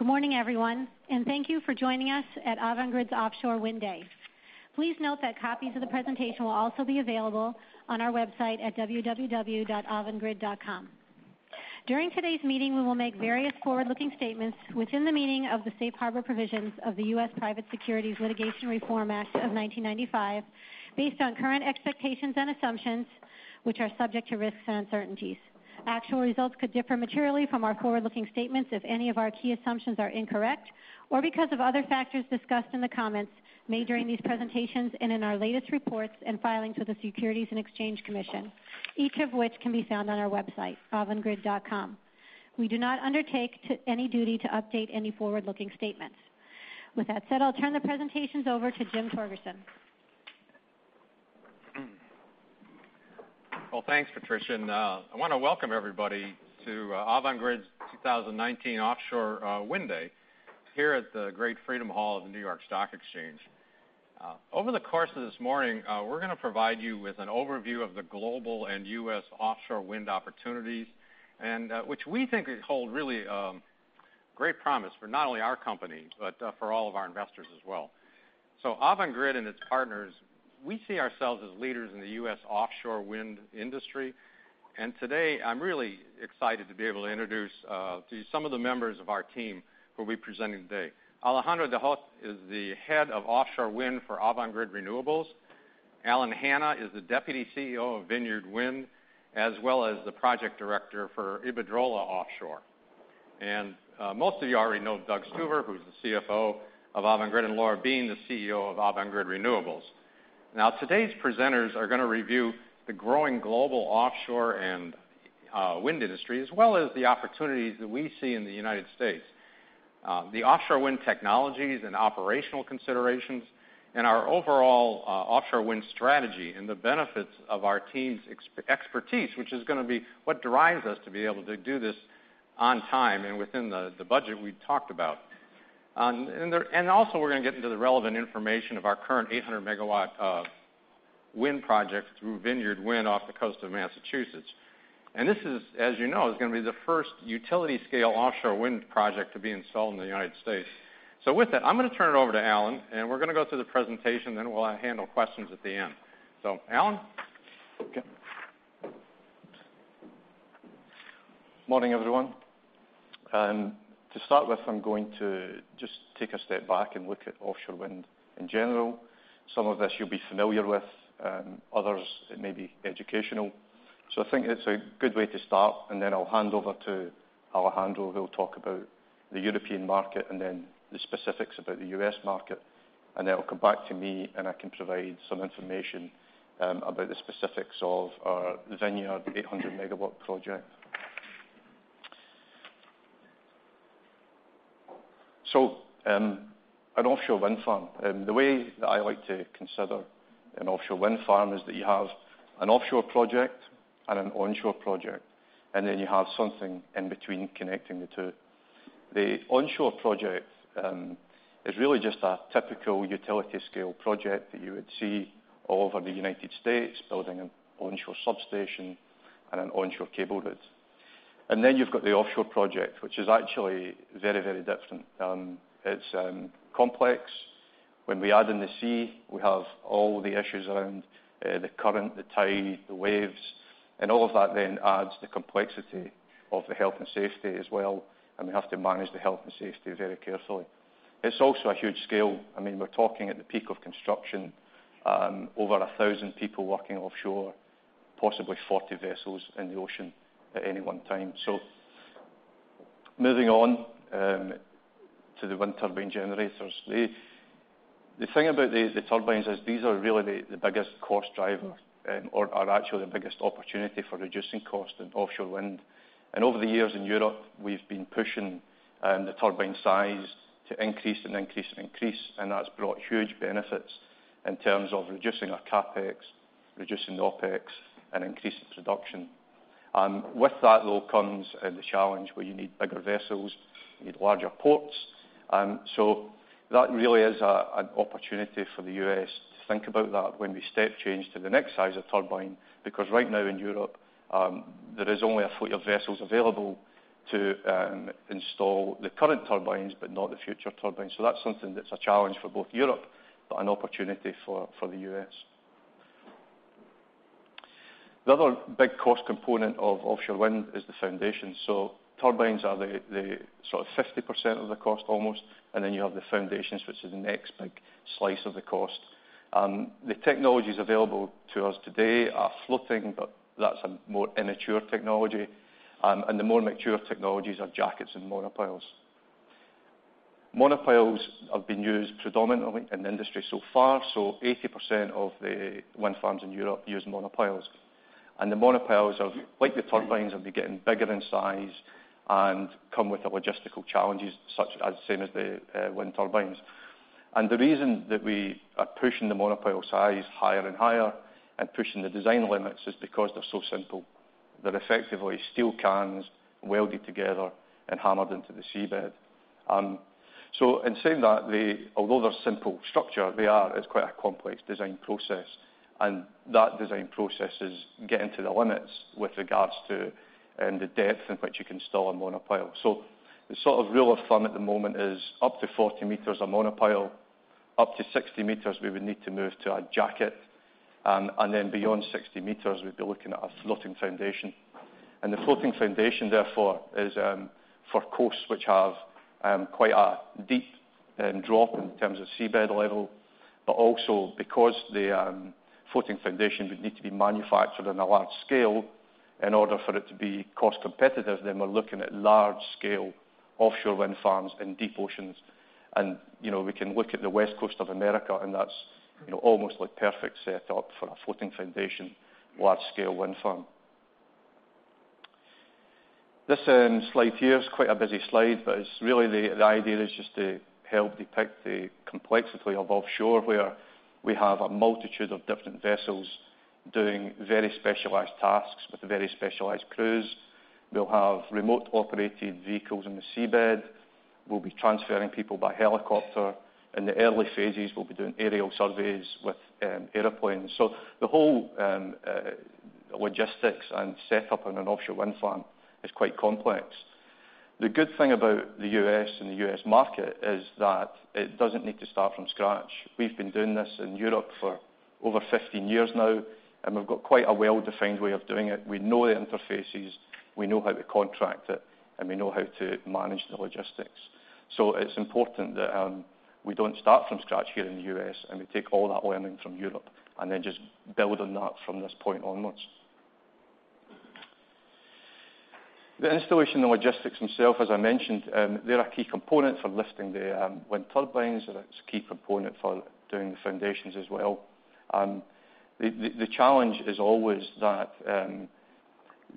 Good morning, everyone, and thank you for joining us at Avangrid's Offshore Wind Day. Please note that copies of the presentation will also be available on our website at www.avangrid.com. During today's meeting, we will make various forward-looking statements within the meaning of the Safe Harbor provisions of the U.S. Private Securities Litigation Reform Act of 1995, based on current expectations and assumptions, which are subject to risks and uncertainties. Actual results could differ materially from our forward-looking statements if any of our key assumptions are incorrect, or because of other factors discussed in the comments made during these presentations and in our latest reports and filings with the Securities and Exchange Commission, each of which can be found on our website, avangrid.com. We do not undertake any duty to update any forward-looking statements. With that said, I'll turn the presentations over to Jim Torgerson. Thanks, Patricia, and I want to welcome everybody to Avangrid's 2019 Offshore Wind Day here at the great Freedom Hall of the New York Stock Exchange. Over the course of this morning, we're going to provide you with an overview of the global and U.S. offshore wind opportunities, which we think hold really great promise for not only our company but for all of our investors as well. Avangrid and its partners, we see ourselves as leaders in the U.S. offshore wind industry. Today, I'm really excited to be able to introduce to you some of the members of our team who will be presenting today. Alejandro de Hoz is the Head of Offshore Wind for Avangrid Renewables. Alan Hannah is the Deputy CEO of Vineyard Wind, as well as the Project Director for Iberdrola Offshore. Most of you already know Doug Stuver, who's the CFO of Avangrid, and Laura Beane, the CEO of Avangrid Renewables. Today's presenters are going to review the growing global offshore and wind industry, as well as the opportunities that we see in the United States. The offshore wind technologies and operational considerations and our overall offshore wind strategy and the benefits of our team's expertise, which is going to be what drives us to be able to do this on time and within the budget we've talked about. Also we're going to get into the relevant information of our current 800-megawatt wind project through Vineyard Wind off the coast of Massachusetts. This is, as you know, is going to be the first utility-scale offshore wind project to be installed in the United States. With that, I'm going to turn it over to Alan, and we're going to go through the presentation, then we'll handle questions at the end. Alan? Good morning, everyone. To start with, I'm going to just take a step back and look at offshore wind in general. Some of this you'll be familiar with, others it may be educational. I think it's a good way to start, and then I'll hand over to Alejandro, who will talk about the European market and then the specifics about the U.S. market. It'll come back to me, and I can provide some information about the specifics of our Vineyard, the 800-megawatt project. An offshore wind farm, the way that I like to consider an offshore wind farm is that you have an offshore project and an onshore project, and then you have something in between connecting the two. The onshore project is really just a typical utility-scale project that you would see all over the United States, building an onshore substation and an onshore cable route. You've got the offshore project, which is actually very different. It's complex. When we add in the sea, we have all the issues around the current, the tide, the waves, and all of that then adds the complexity of the health and safety as well, and we have to manage the health and safety very carefully. It's also a huge scale. We're talking at the peak of construction, over 1,000 people working offshore, possibly 40 vessels in the ocean at any one time. Moving on to the wind turbine generators. The thing about the turbines is these are really the biggest cost driver or are actually the biggest opportunity for reducing cost in offshore wind. Over the years in Europe, we've been pushing the turbine size to increase. That's brought huge benefits in terms of reducing our CapEx, reducing the OpEx, and increasing production. With that, though, comes the challenge where you need bigger vessels, you need larger ports. That really is an opportunity for the U.S. to think about that when we step change to the next size of turbine, because right now in Europe, there is only a fleet of vessels available to install the current turbines, but not the future turbines. That's something that's a challenge for both Europe, but an opportunity for the U.S. The other big cost component of offshore wind is the foundation. Turbines are the sort of 50% of the cost almost, and then you have the foundations, which is the next big slice of the cost. The technologies available to us today are floating, but that's a more immature technology, and the more mature technologies are jackets and monopiles. Monopiles have been used predominantly in the industry so far. 80% of the wind farms in Europe use monopiles. The monopiles, like the turbines, will be getting bigger in size and come with logistical challenges, same as the wind turbines. The reason that we are pushing the monopile size higher and higher and pushing the design limits is because they're so simple. They're effectively steel cans welded together and hammered into the seabed. In saying that, although they're simple structure, they are quite a complex design process. That design process is getting to the limits with regards to the depth in which you can install a monopile. The rule of thumb at the moment is up to 40 meters a monopile, up to 60 meters, we would need to move to a jacket, beyond 60 meters, we'd be looking at a floating foundation. The floating foundation therefore is for coasts which have quite a deep drop in terms of seabed level, but also because the floating foundation would need to be manufactured on a large scale in order for it to be cost competitive. We're looking at large-scale offshore wind farms in deep oceans. We can look at the West Coast of America and that's almost like perfect setup for a floating foundation, large-scale wind farm. This slide here is quite a busy slide, the idea is just to help depict the complexity of offshore, where we have a multitude of different vessels doing very specialized tasks with very specialized crews. We'll have remote-operated vehicles on the seabed. We'll be transferring people by helicopter. In the early phases, we'll be doing aerial surveys with airplanes. The whole logistics and setup on an offshore wind farm is quite complex. The good thing about the U.S. and the U.S. market is that it doesn't need to start from scratch. We've been doing this in Europe for over 15 years now, we've got quite a well-defined way of doing it. We know the interfaces, we know how to contract it, we know how to manage the logistics. It's important that we don't start from scratch here in the U.S., we take all that learning from Europe and just build on that from this point onwards. The installation and logistics themselves, as I mentioned, they're a key component for lifting the wind turbines, it's a key component for doing the foundations as well. The challenge is always that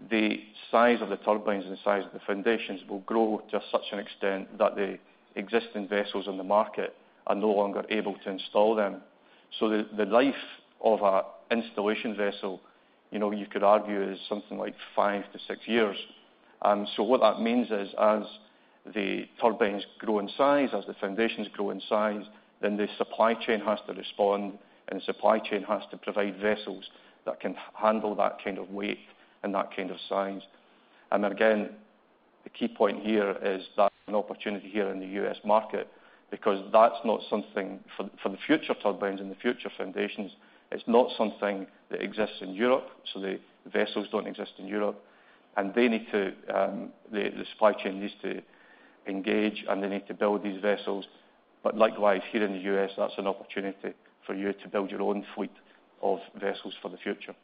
the size of the turbines and the size of the foundations will grow to such an extent that the existing vessels on the market are no longer able to install them. The life of an installation vessel, you could argue, is something like five to six years. What that means is as the turbines grow in size, as the foundations grow in size, the supply chain has to respond, the supply chain has to provide vessels that can handle that kind of weight and that kind of size. Again, the key point here is that's an opportunity here in the U.S. market because that's not something for the future turbines and the future foundations. It's not something that exists in Europe, the vessels don't exist in Europe. The supply chain needs to engage, they need to build these vessels. Likewise, here in the U.S., that's an opportunity for you to build your own fleet of vessels for the future.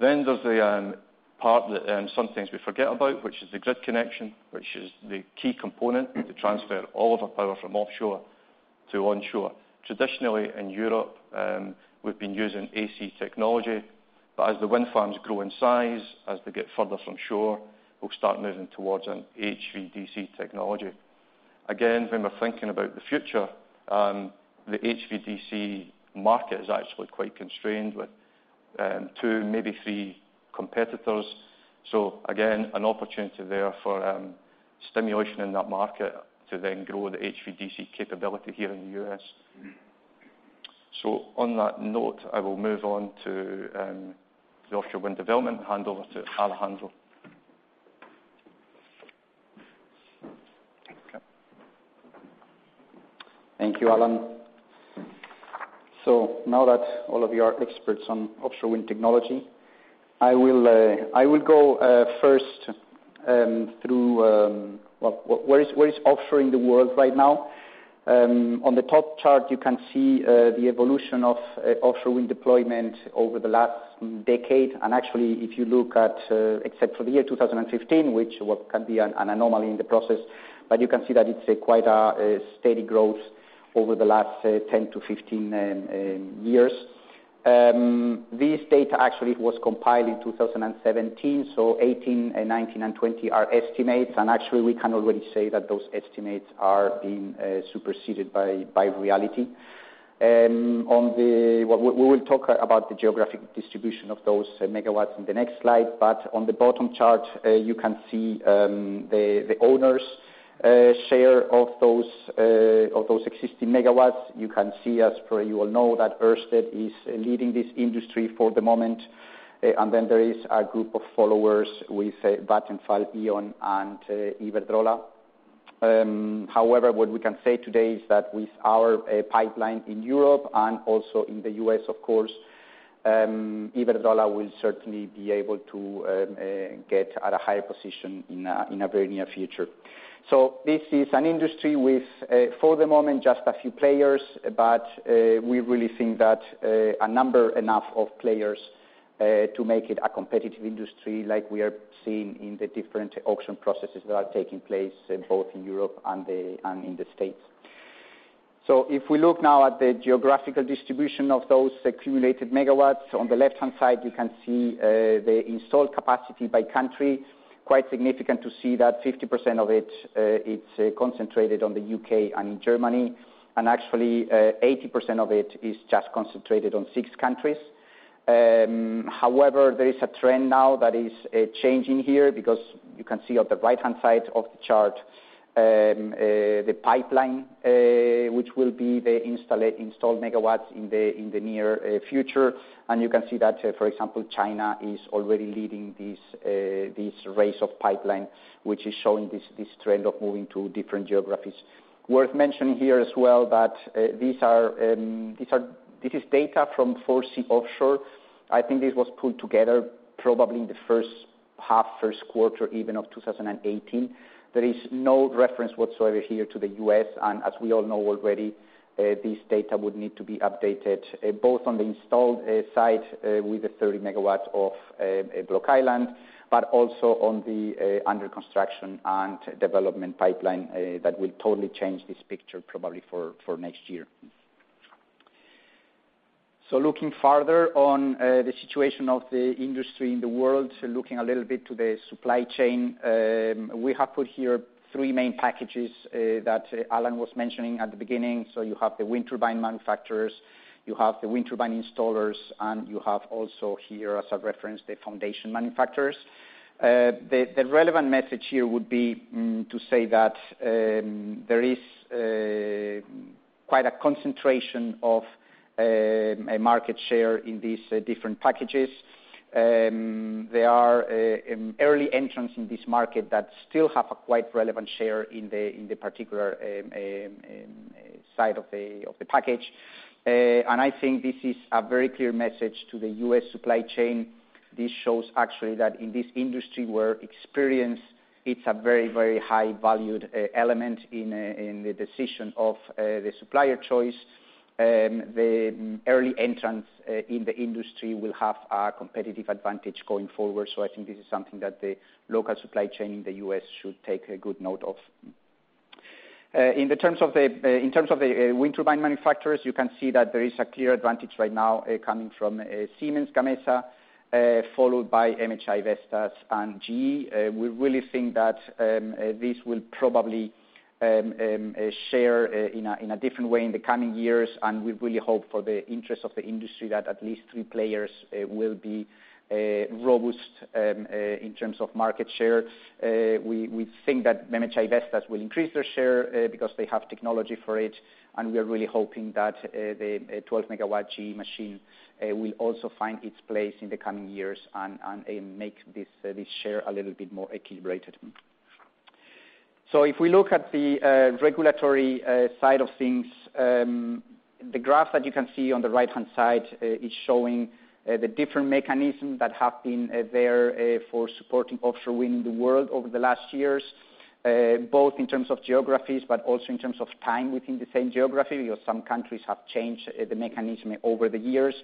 There's the part that sometimes we forget about, which is the grid connection, which is the key component to transfer all of the power from offshore to onshore. Traditionally, in Europe, we've been using AC technology. As the wind farms grow in size, as they get further from shore, we'll start moving towards an HVDC technology. Again, when we're thinking about the future, the HVDC market is actually quite constrained with two, maybe three competitors. Again, an opportunity there for stimulation in that market to then grow the HVDC capability here in the U.S. On that note, I will move on to the offshore wind development and hand over to Alejandro. Thank you, Alan. Now that all of you are experts on offshore wind technology, I will go first through where is offshore in the world right now. On the top chart, you can see the evolution of offshore wind deployment over the last decade. Actually, except for the year 2015, which can be an anomaly in the process, you can see that it's quite a steady growth over the last 10 to 15 years. This data actually was compiled in 2017, so 2018, 2019, and 2020 are estimates. Actually, we can already say that those estimates are being superseded by reality. We will talk about the geographic distribution of those megawatts in the next slide. On the bottom chart, you can see the owners' share of those existing megawatts. You can see, as probably you all know, that Ørsted is leading this industry for the moment. Then there is a group of followers with Vattenfall, E.ON, and Iberdrola. However, what we can say today is that with our pipeline in Europe and also in the U.S., of course, Iberdrola will certainly be able to get at a higher position in the very near future. This is an industry with, for the moment, just a few players. We really think that a number enough of players to make it a competitive industry like we are seeing in the different auction processes that are taking place both in Europe and in the States. If we look now at the geographical distribution of those accumulated megawatts, on the left-hand side, we can see the installed capacity by country. Quite significant to see that 50% of it is concentrated on the U.K. and in Germany. Actually, 80% of it is just concentrated on six countries. However, there is a trend now that is changing here because you can see on the right-hand side of the chart, the pipeline, which will be the installed megawatts in the near future. You can see that, for example, China is already leading this race of pipeline, which is showing this trend of moving to different geographies. Worth mentioning here as well that this is data from 4C Offshore. I think this was put together probably in the first half, first quarter even, of 2018. There is no reference whatsoever here to the U.S., and as we all know already, this data would need to be updated, both on the installed side with the 30 MW of Block Island, but also on the under construction and development pipeline that will totally change this picture probably for next year. Looking further on the situation of the industry in the world, looking a little bit to the supply chain. We have put here three main packages that Alan was mentioning at the beginning. You have the wind turbine manufacturers, you have the wind turbine installers, and you have also here as a reference, the foundation manufacturers. The relevant message here would be to say that there is quite a concentration of market share in these different packages. There are early entrants in this market that still have a quite relevant share in the particular side of the package. I think this is a very clear message to the U.S. supply chain. This shows actually that in this industry where experience, it's a very, very high valued element in the decision of the supplier choice. The early entrants in the industry will have a competitive advantage going forward. I think this is something that the local supply chain in the U.S. should take a good note of. In terms of the wind turbine manufacturers, you can see that there is a clear advantage right now coming from Siemens Gamesa, followed by MHI Vestas and GE. We really think that this will probably share in a different way in the coming years, and we really hope for the interest of the industry that at least three players will be robust in terms of market share. We think that MHI Vestas will increase their share because they have technology for it, and we are really hoping that the 12 MW GE machine will also find its place in the coming years and make this share a little bit more calibrated. If we look at the regulatory side of things, the graph that you can see on the right-hand side is showing the different mechanisms that have been there for supporting offshore wind in the world over the last years, both in terms of geographies but also in terms of time within the same geography, because some countries have changed the mechanism over the years.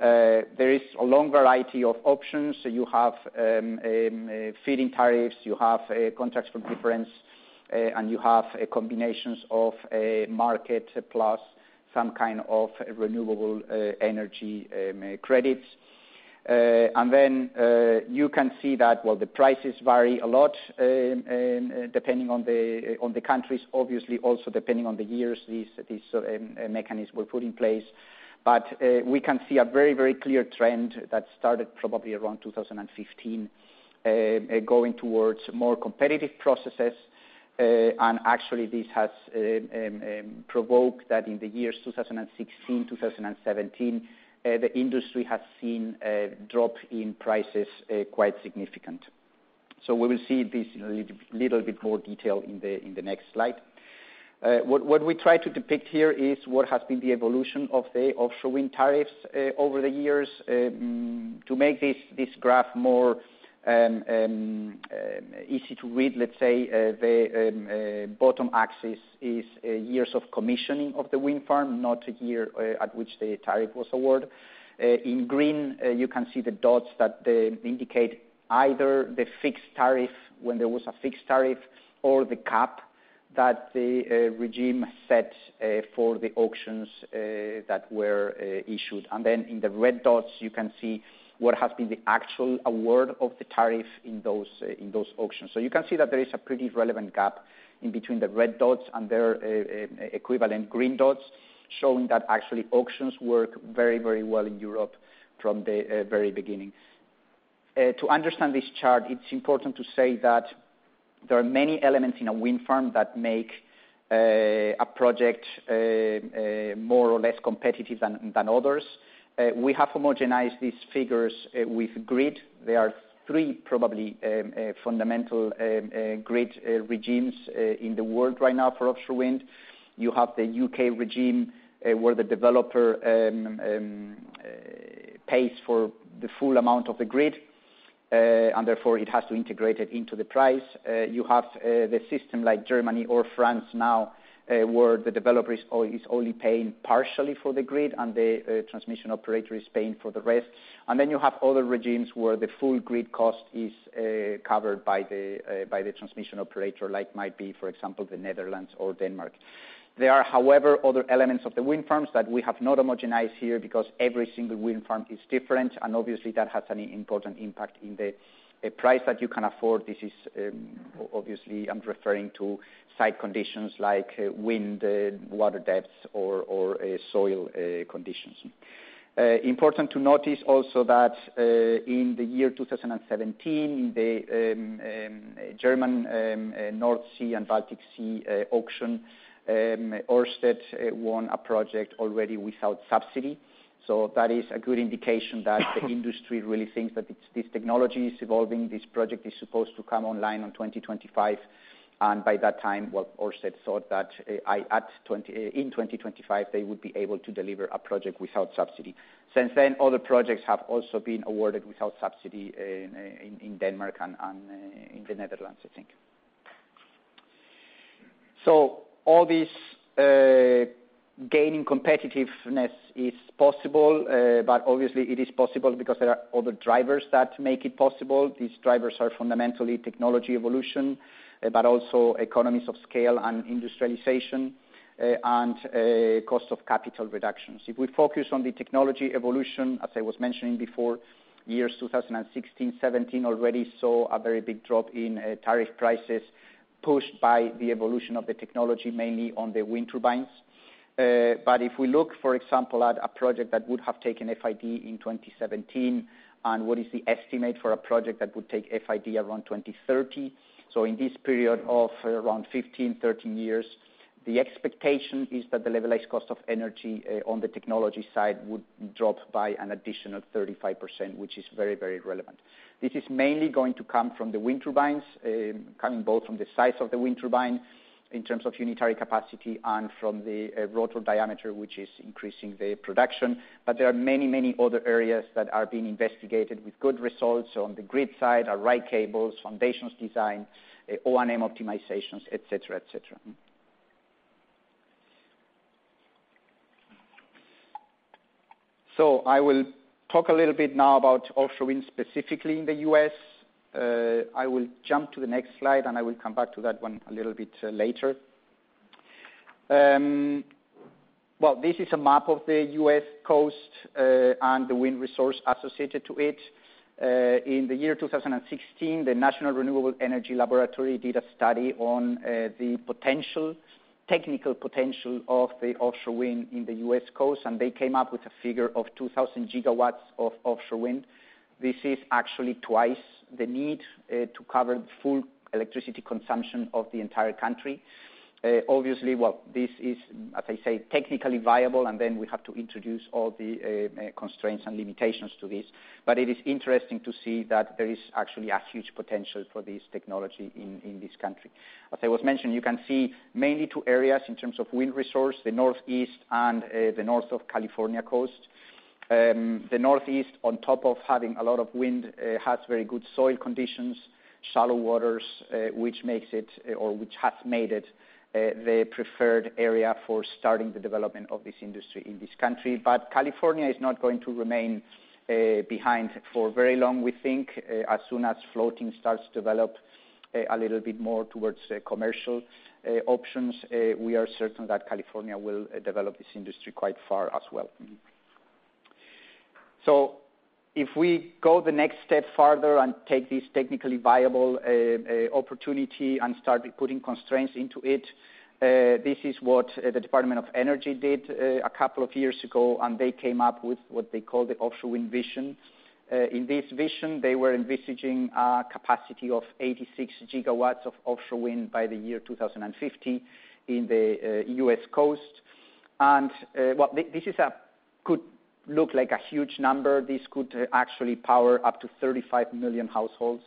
There is a long variety of options. You have feed-in tariffs, you have contracts for difference, and you have combinations of market plus some kind of renewable energy credits. You can see that, while the prices vary a lot depending on the countries, obviously also depending on the years these mechanisms were put in place. We can see a very, very clear trend that started probably around 2015, going towards more competitive processes. This has provoked that in the years 2016, 2017, the industry has seen a drop in prices quite significant. We will see this in a little bit more detail in the next slide. What we try to depict here is what has been the evolution of the offshore wind tariffs over the years. To make this graph more easy to read, let's say the bottom axis is years of commissioning of the wind farm, not year at which the tariff was awarded. In green, you can see the dots that indicate either the fixed tariff when there was a fixed tariff, or the cap that the regime set for the auctions that were issued. Then in the red dots, you can see what has been the actual award of the tariff in those auctions. You can see that there is a pretty relevant gap in between the red dots and their equivalent green dots, showing that actually auctions work very, very well in Europe from the very beginning. To understand this chart, it's important to say that there are many elements in a wind farm that make a project more or less competitive than others. We have homogenized these figures with grid. There are three probably fundamental grid regimes in the world right now for offshore wind. You have the U.K. regime, where the developer pays for the full amount of the grid, and therefore it has to integrate it into the price. You have the system like Germany or France now, where the developer is only paying partially for the grid, and the transmission operator is paying for the rest. Then you have other regimes where the full grid cost is covered by the transmission operator, like might be, for example, the Netherlands or Denmark. There are, however, other elements of the wind farms that we have not homogenized here because every single wind farm is different, and obviously that has an important impact in the price that you can afford. This is obviously I'm referring to site conditions like wind, water depths, or soil conditions. Important to notice also that in the year 2017, the German North Sea and Baltic Sea auction, Ørsted won a project already without subsidy. That is a good indication that the industry really thinks that this technology is evolving. This project is supposed to come online on 2025, and by that time, well, Ørsted thought that in 2025, they would be able to deliver a project without subsidy. Since then, other projects have also been awarded without subsidy in Denmark and in the Netherlands, I think. All this gaining competitiveness is possible. Obviously it is possible because there are other drivers that make it possible. These drivers are fundamentally technology evolution, but also economies of scale and industrialization, and cost of capital reductions. If we focus on the technology evolution, as I was mentioning before, years 2016, 2017 already saw a very big drop in tariff prices, pushed by the evolution of the technology, mainly on the wind turbines. If we look, for example, at a project that would have taken FID in 2017, and what is the estimate for a project that would take FID around 2030. In this period of around 15, 13 years, the expectation is that the levelized cost of energy on the technology side would drop by an additional 35%, which is very relevant. This is mainly going to come from the wind turbines, coming both from the size of the wind turbine in terms of unitary capacity and from the rotor diameter, which is increasing the production. There are many other areas that are being investigated with good results on the grid side, array cables, foundations design, O&M optimizations, et cetera. I will talk a little bit now about offshore wind, specifically in the U.S. I will jump to the next slide and I will come back to that one a little bit later. Well, this is a map of the U.S. coast, and the wind resource associated to it. In the year 2016, the National Renewable Energy Laboratory did a study on the technical potential of the offshore wind in the U.S. coast, and they came up with a figure of 2,000 gigawatts of offshore wind. This is actually twice the need to cover the full electricity consumption of the entire country. This is, as I say, technically viable, and then we have to introduce all the constraints and limitations to this. It is interesting to see that there is actually a huge potential for this technology in this country. As I was mentioning, you can see mainly two areas in terms of wind resource, the Northeast and the north of California coast. The Northeast, on top of having a lot of wind, has very good soil conditions, shallow waters, which has made it the preferred area for starting the development of this industry in this country. California is not going to remain behind for very long. We think as soon as floating starts to develop a little bit more towards commercial options, we are certain that California will develop this industry quite far as well. If we go the next step further and take this technically viable opportunity and start putting constraints into it, this is what the Department of Energy did a couple of years ago, and they came up with what they call the Offshore Wind Vision. In this vision, they were envisaging a capacity of 86 gigawatts of offshore wind by the year 2050 in the U.S. coast. This could look like a huge number. This could actually power up to 35 million households.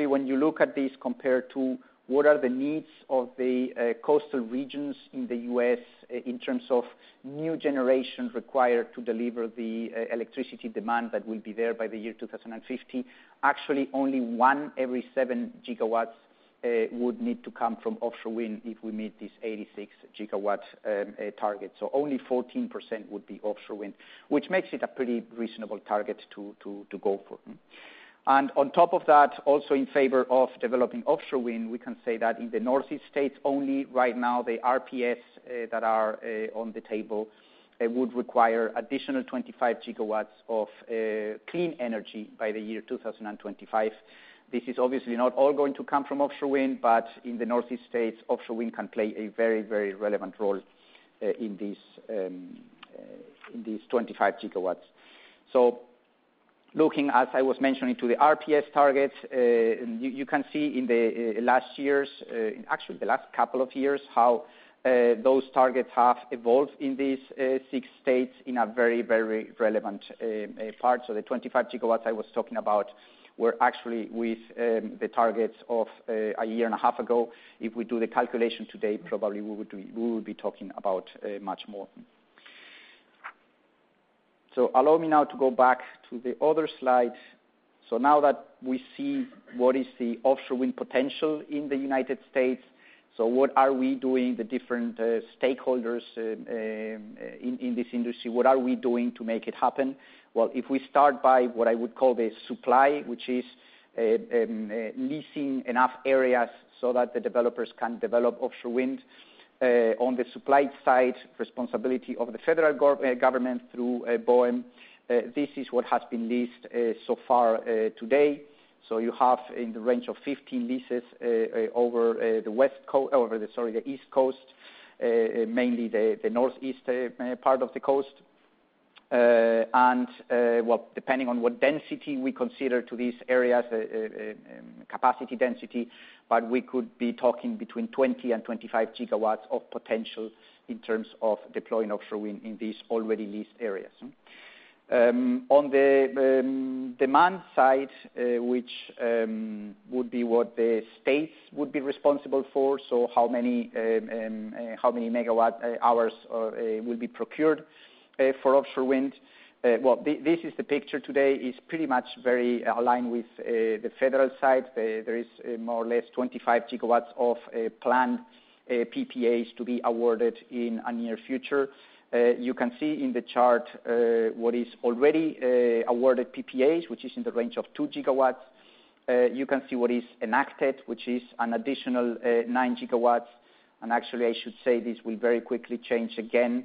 When you look at this, compared to what are the needs of the coastal regions in the U.S. in terms of new generations required to deliver the electricity demand that will be there by the year 2050. Only one every seven gigawatts would need to come from offshore wind if we meet this 86 gigawatts target. Only 14% would be offshore wind, which makes it a pretty reasonable target to go for. On top of that, also in favor of developing offshore wind, we can say that in the Northeast states only right now, the RPS that are on the table would require additional 25 gigawatts of clean energy by the year 2025. This is obviously not all going to come from offshore wind, but in the Northeast states, offshore wind can play a very relevant role in these 25 gigawatts. Looking, as I was mentioning to the RPS targets, you can see in the last couple of years how those targets have evolved in these six states in a very relevant part. The 25 gigawatts I was talking about were actually with the targets of a year and a half ago. Allow me now to go back to the other slide. Now that we see what is the offshore wind potential in the U.S., what are we doing, the different stakeholders in this industry, what are we doing to make it happen? Well, if we start by what I would call the supply, which is leasing enough areas so that the developers can develop offshore wind. On the supply side, responsibility of the federal government through BOEM. This is what has been leased so far today. You have in the range of 15 leases over the East Coast, mainly the Northeast part of the Coast. Well, depending on what density we consider to these areas, capacity density, but we could be talking between 20 and 25 gigawatts of potential in terms of deploying offshore wind in these already leased areas. On the demand side, which would be what the states would be responsible for, how many megawatt hours will be procured for offshore wind. Well, this is the picture today. It is pretty much very aligned with the federal side. There is more or less 25 gigawatts of planned PPAs to be awarded in a near future. You can see in the chart what is already awarded PPAs, which is in the range of two gigawatts. You can see what is enacted, which is an additional nine gigawatts. Actually, I should say this will very quickly change again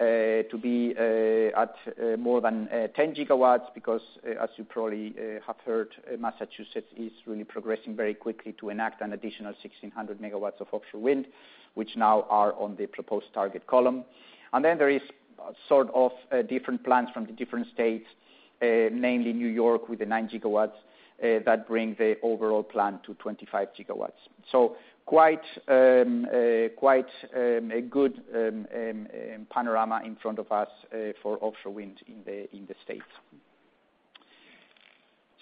to be at more than 10 gigawatts because, as you probably have heard, Massachusetts is really progressing very quickly to enact an additional 1,600 megawatts of offshore wind, which now are on the proposed target column. Then there is sort of different plans from the different states, mainly New York with the nine gigawatts, that bring the overall plan to 25 gigawatts. Quite good panorama in front of us for offshore wind in the States.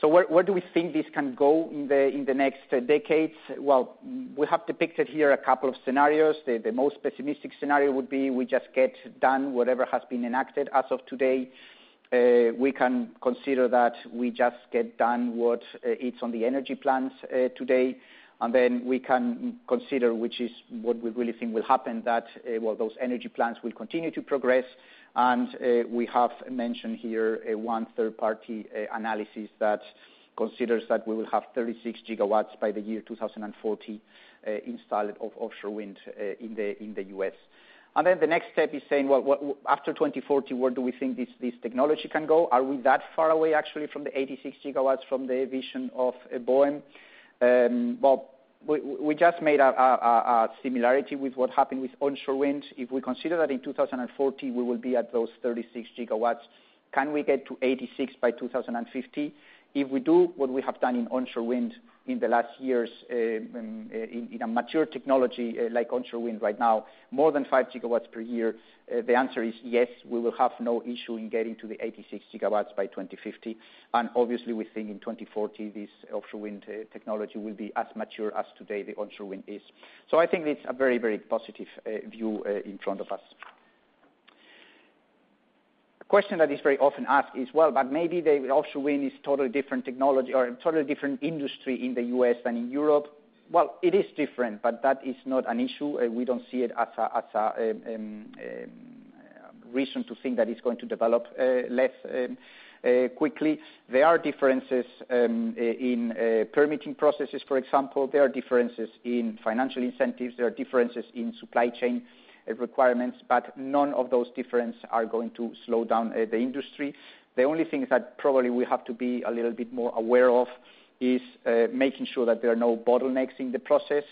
Where do we think this can go in the next decades? Well, we have depicted here a couple of scenarios. The most pessimistic scenario would be we just get done whatever has been enacted as of today. We can consider that we just get done what is on the energy plans today. Then we can consider, which is what we really think will happen, that, well, those energy plans will continue to progress. We have mentioned here a one-third party analysis that considers that we will have 36 gigawatts by the year 2040 installed of offshore wind in the U.S. Then the next step is saying, well, after 2040, where do we think this technology can go? Are we that far away actually from the 86 gigawatts from the vision of BOEM? Well, we just made a similarity with what happened with onshore wind. If we consider that in 2040, we will be at those 36 gigawatts, can we get to 86 by 2050? If we do what we have done in onshore wind in the last years in a mature technology like onshore wind right now, more than five gigawatts per year, the answer is yes, we will have no issue in getting to the 86 gigawatts by 2050. Obviously, we think in 2040 this offshore wind technology will be as mature as today the onshore wind is. I think it's a very positive view in front of us. A question that is very often asked is, well, maybe the offshore wind is totally different technology or totally different industry in the U.S. than in Europe. It is different, but that is not an issue. We don't see it as a reason to think that it's going to develop less quickly. There are differences in permitting processes, for example. There are differences in financial incentives. There are differences in supply chain requirements. None of those differences are going to slow down the industry. The only thing that probably we have to be a little bit more aware of is making sure that there are no bottlenecks in the process.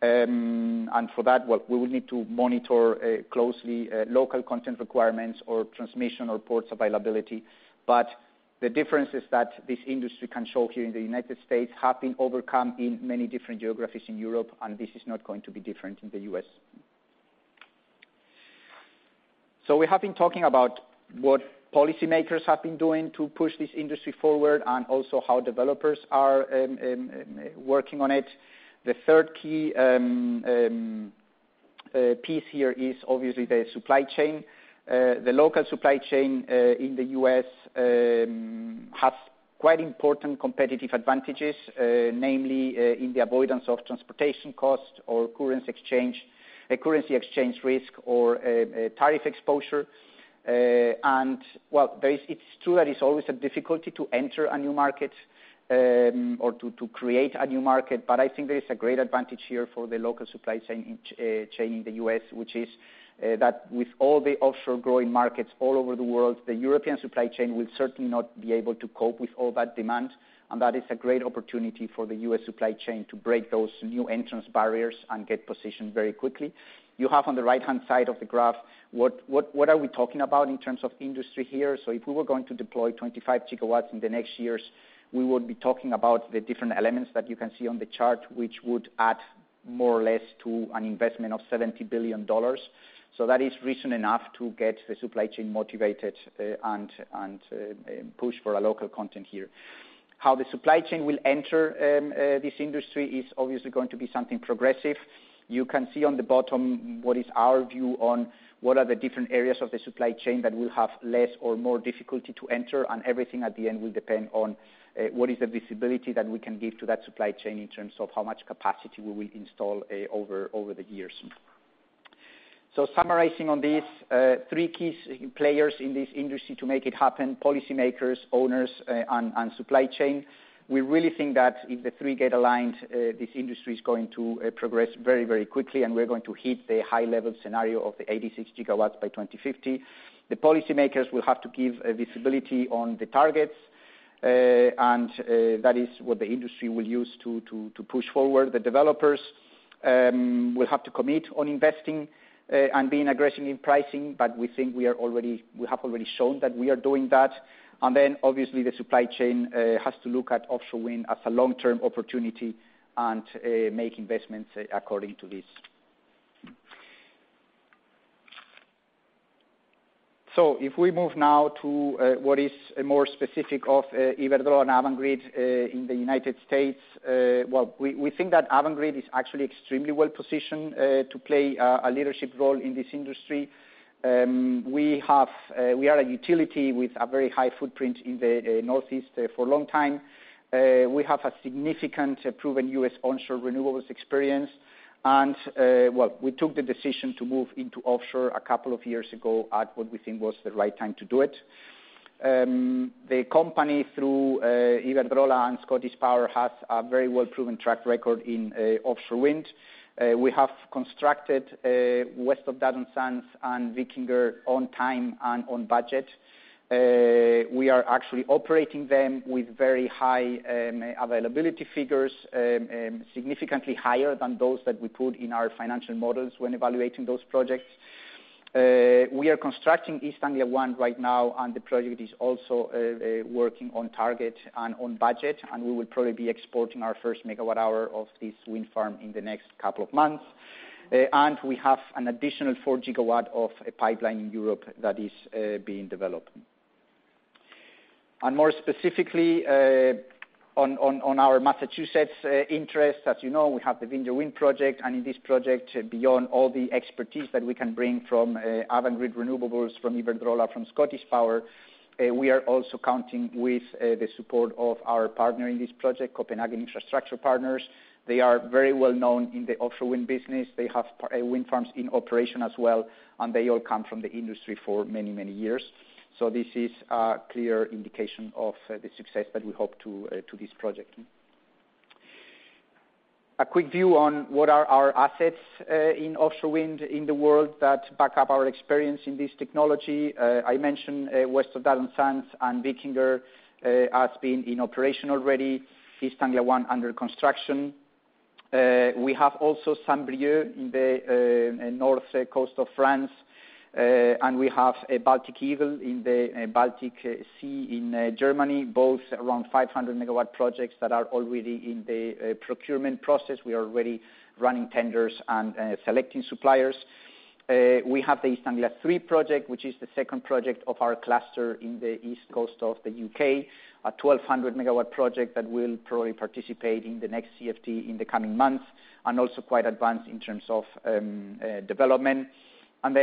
For that, well, we will need to monitor closely local content requirements or transmission or ports availability. The differences that this industry can show here in the United States have been overcome in many different geographies in Europe, and this is not going to be different in the U.S. We have been talking about what policymakers have been doing to push this industry forward and also how developers are working on it. The third key piece here is obviously the supply chain. The local supply chain in the U.S. has quite important competitive advantages, namely, in the avoidance of transportation cost or currency exchange risk or tariff exposure. Well, it's true that it's always a difficulty to enter a new market or to create a new market. I think there is a great advantage here for the local supply chain in the U.S., which is that with all the offshore growing markets all over the world, the European supply chain will certainly not be able to cope with all that demand. That is a great opportunity for the U.S. supply chain to break those new entrance barriers and get positioned very quickly. You have on the right-hand side of the graph, what are we talking about in terms of industry here? If we were going to deploy 25 gigawatts in the next years, we would be talking about the different elements that you can see on the chart, which would add more or less to an investment of $70 billion. That is reason enough to get the supply chain motivated and push for a local content here. How the supply chain will enter this industry is obviously going to be something progressive. You can see on the bottom what is our view on what are the different areas of the supply chain that will have less or more difficulty to enter, and everything at the end will depend on what is the visibility that we can give to that supply chain in terms of how much capacity we will install over the years. Summarizing on these, three key players in this industry to make it happen, policymakers, owners, and supply chain. We really think that if the three get aligned, this industry is going to progress very quickly, and we're going to hit the high-level scenario of the 86 gigawatts by 2050. The policymakers will have to give visibility on the targets. That is what the industry will use to push forward. The developers will have to commit on investing and being aggressive in pricing. We think we have already shown that we are doing that. Obviously, the supply chain has to look at offshore wind as a long-term opportunity and make investments according to this. If we move now to what is more specific of Iberdrola and Avangrid in the U.S. Well, we think that Avangrid is actually extremely well-positioned to play a leadership role in this industry. We are a utility with a very high footprint in the Northeast for a long time. We have a significant proven U.S. onshore renewables experience. Well, we took the decision to move into offshore a couple of years ago at what we think was the right time to do it. The company, through Iberdrola and ScottishPower, has a very well-proven track record in offshore wind. We have constructed West of Duddon Sands and Wikinger on time and on budget. We are actually operating them with very high availability figures, significantly higher than those that we put in our financial models when evaluating those projects. We are constructing East Anglia ONE right now. The project is also working on target and on budget. We will probably be exporting our first megawatt-hour of this wind farm in the next couple of months. We have an additional four gigawatt of pipeline in Europe that is being developed. More specifically, on our Massachusetts interest, as you know, we have the Vineyard Wind project, and in this project, beyond all the expertise that we can bring from Avangrid Renewables, from Iberdrola, from ScottishPower, we are also counting with the support of our partner in this project, Copenhagen Infrastructure Partners. They are very well-known in the offshore wind business. They have wind farms in operation as well, and they all come from the industry for many, many years. This is a clear indication of the success that we hope to this project. A quick view on what are our assets in offshore wind in the world that back up our experience in this technology. I mentioned West of Duddon Sands and Wikinger as being in operation already, East Anglia ONE under construction. We have also Saint-Brieuc in the north coast of France. We have Baltic Eagle in the Baltic Sea in Germany, both around 500-megawatt projects that are already in the procurement process. We are already running tenders and selecting suppliers. We have the East Anglia THREE project, which is the second project of our cluster in the east coast of the U.K., a 1,200-megawatt project that will probably participate in the next CfD in the coming months, also quite advanced in terms of development.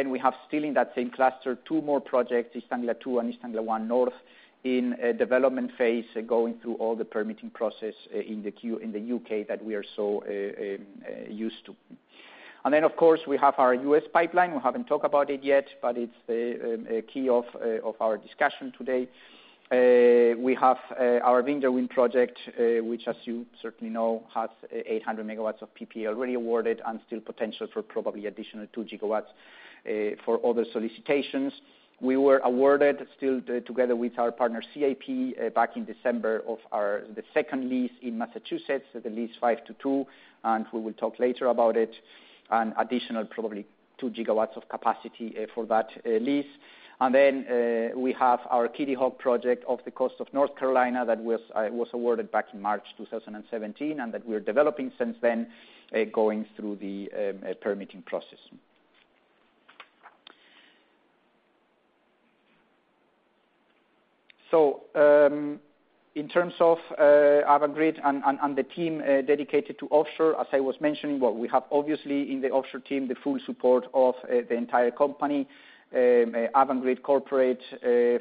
We have still in that same cluster, two more projects, East Anglia TWO and East Anglia ONE North, in development phase, going through all the permitting process in the U.K. that we are so used to. Of course, we have our U.S. pipeline. We haven't talked about it yet, but it's a key of our discussion today. We have our Vineyard Wind project, which as you certainly know, has 800 MW of PPA already awarded and still potential for probably additional 2 GW for other solicitations. We were awarded still together with our partner, CIP, back in December of the second Lease in Massachusetts, the Lease 5 to 2, and we will talk later about it, an additional probably 2 GW of capacity for that Lease. We have our Kitty Hawk project off the coast of North Carolina that was awarded back in March 2017 and that we're developing since then, going through the permitting process. In terms of Avangrid and the team dedicated to offshore, as I was mentioning, well, we have obviously in the offshore team, the full support of the entire company, Avangrid corporate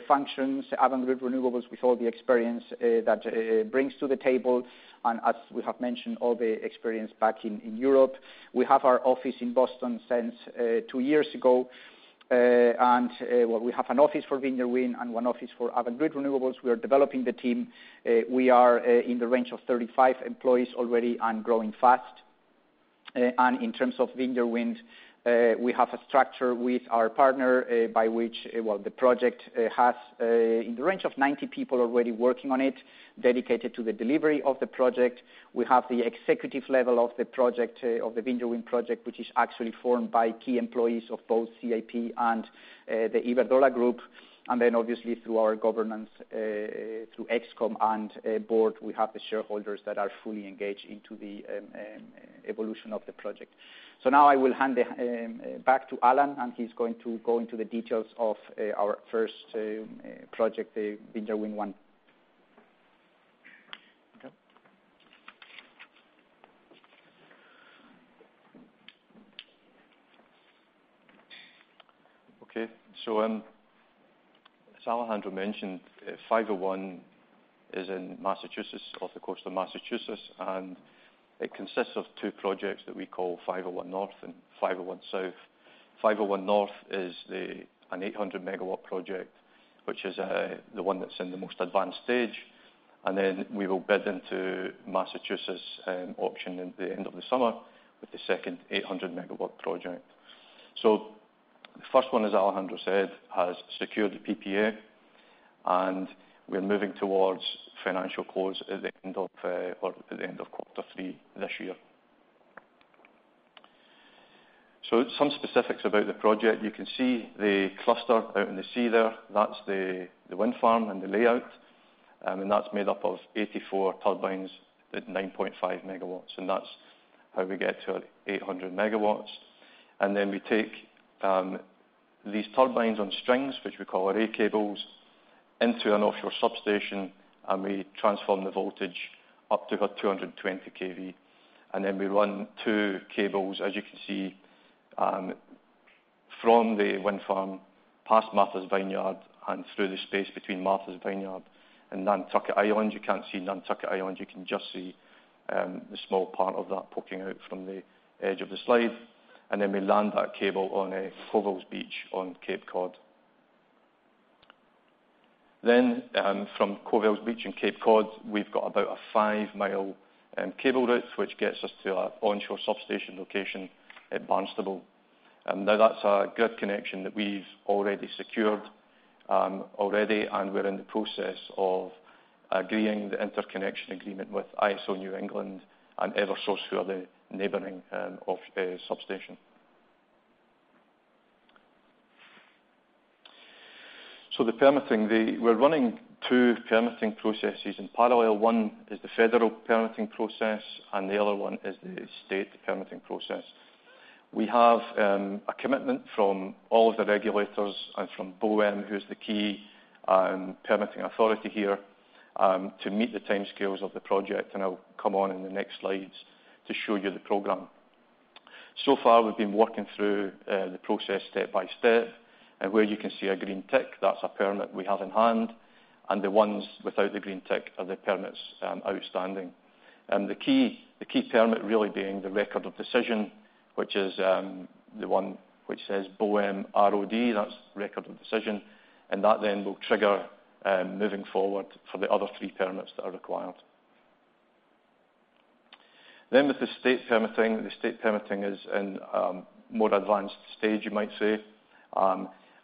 functions, Avangrid Renewables, with all the experience that it brings to the table, and as we have mentioned, all the experience back in Europe. We have our office in Boston since two years ago. We have an office for Vineyard Wind and one office for Avangrid Renewables. We are developing the team. We are in the range of 35 employees already and growing fast. In terms of Vineyard Wind, we have a structure with our partner by which, well, the project has in the range of 90 people already working on it, dedicated to the delivery of the project. We have the executive level of the Vineyard Wind project, which is actually formed by key employees of both CIP and the Iberdrola Group. Obviously, through our governance, through ExCom and board, we have the shareholders that are fully engaged into the evolution of the project. I will hand it back to Alan, and he's going to go into the details of our first project, Vineyard Wind 1. Okay. As Alejandro mentioned, 501 is in Massachusetts, off the coast of Massachusetts, and it consists of two projects that we call 501 North and 501 South. 501 North is an 800 MW project, which is the one that's in the most advanced stage. We will bid into Massachusetts auction at the end of the summer with the second 800 MW project. The first one, as Alejandro said, has secured the PPA, and we are moving towards financial close at the end of Q3 this year. Some specifics about the project. You can see the cluster out in the sea there. That's the wind farm and the layout. That's made up of 84 turbines at 9.5 MW, and that's how we get to our 800 MW. We take these turbines on strings, which we call array cables, into an offshore substation, and we transform the voltage up to about 220 kV. We run two cables, as you can see, from the wind farm past Martha's Vineyard and through the space between Martha's Vineyard and Nantucket Island. You can't see Nantucket Island, you can just see the small part of that poking out from the edge of the slide. We land that cable on Covell's Beach on Cape Cod. From Covell's Beach in Cape Cod, we've got about a five-mile cable route, which gets us to our onshore substation location at Barnstable. That's a grid connection that we've already secured, and we're in the process of agreeing the interconnection agreement with ISO New England and Eversource, who are the neighboring offshore substation. The permitting. We're running two permitting processes in parallel. One is the federal permitting process, and the other one is the state permitting process. We have a commitment from all of the regulators and from BOEM, who's the key permitting authority here, to meet the timescales of the project, and I'll come on in the next slides to show you the program. So far, we've been working through the process step by step, and where you can see a green tick, that's a permit we have in hand. The ones without the green tick are the permits outstanding. The key permit really being the BOEM Record of Decision, which is the one which says BOEM ROD, that's Record of Decision, and that then will trigger moving forward for the other three permits that are required. With the state permitting, the state permitting is in a more advanced stage, you might say.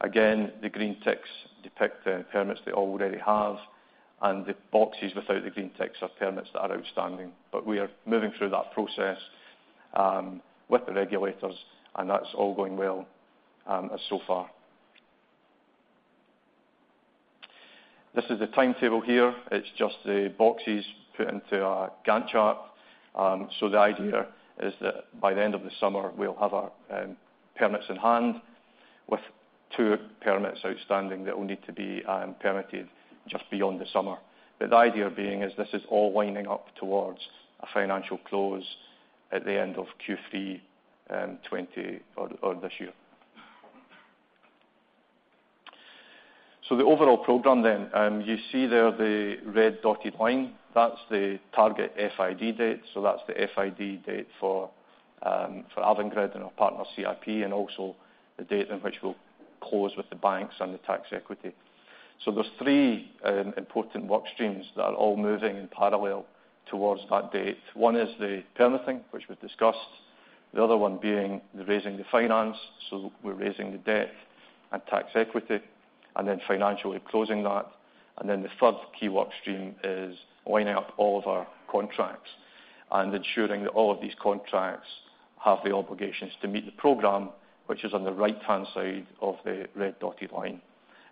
Again, the green ticks depict the permits they already have, and the boxes without the green ticks are permits that are outstanding. We are moving through that process with the regulators, and that's all going well so far. This is the timetable here. It's just the boxes put into a Gantt chart. The idea is that by the end of the summer, we'll have our permits in hand, with two permits outstanding that will need to be permitted just beyond the summer. The idea being is this is all winding up towards a financial close at the end of Q3 this year. The overall program then. You see there the red dotted line, that's the target FID date. That's the FID date for Avangrid and our partner CIP, and also the date in which we'll close with the banks and the tax equity. There's three important work streams that are all moving in parallel towards that date. One is the permitting, which we've discussed. The other one being the raising the finance. We're raising the debt and tax equity, and then financially closing that. The third key work stream is winding up all of our contracts and ensuring that all of these contracts have the obligations to meet the program, which is on the right-hand side of the red dotted line.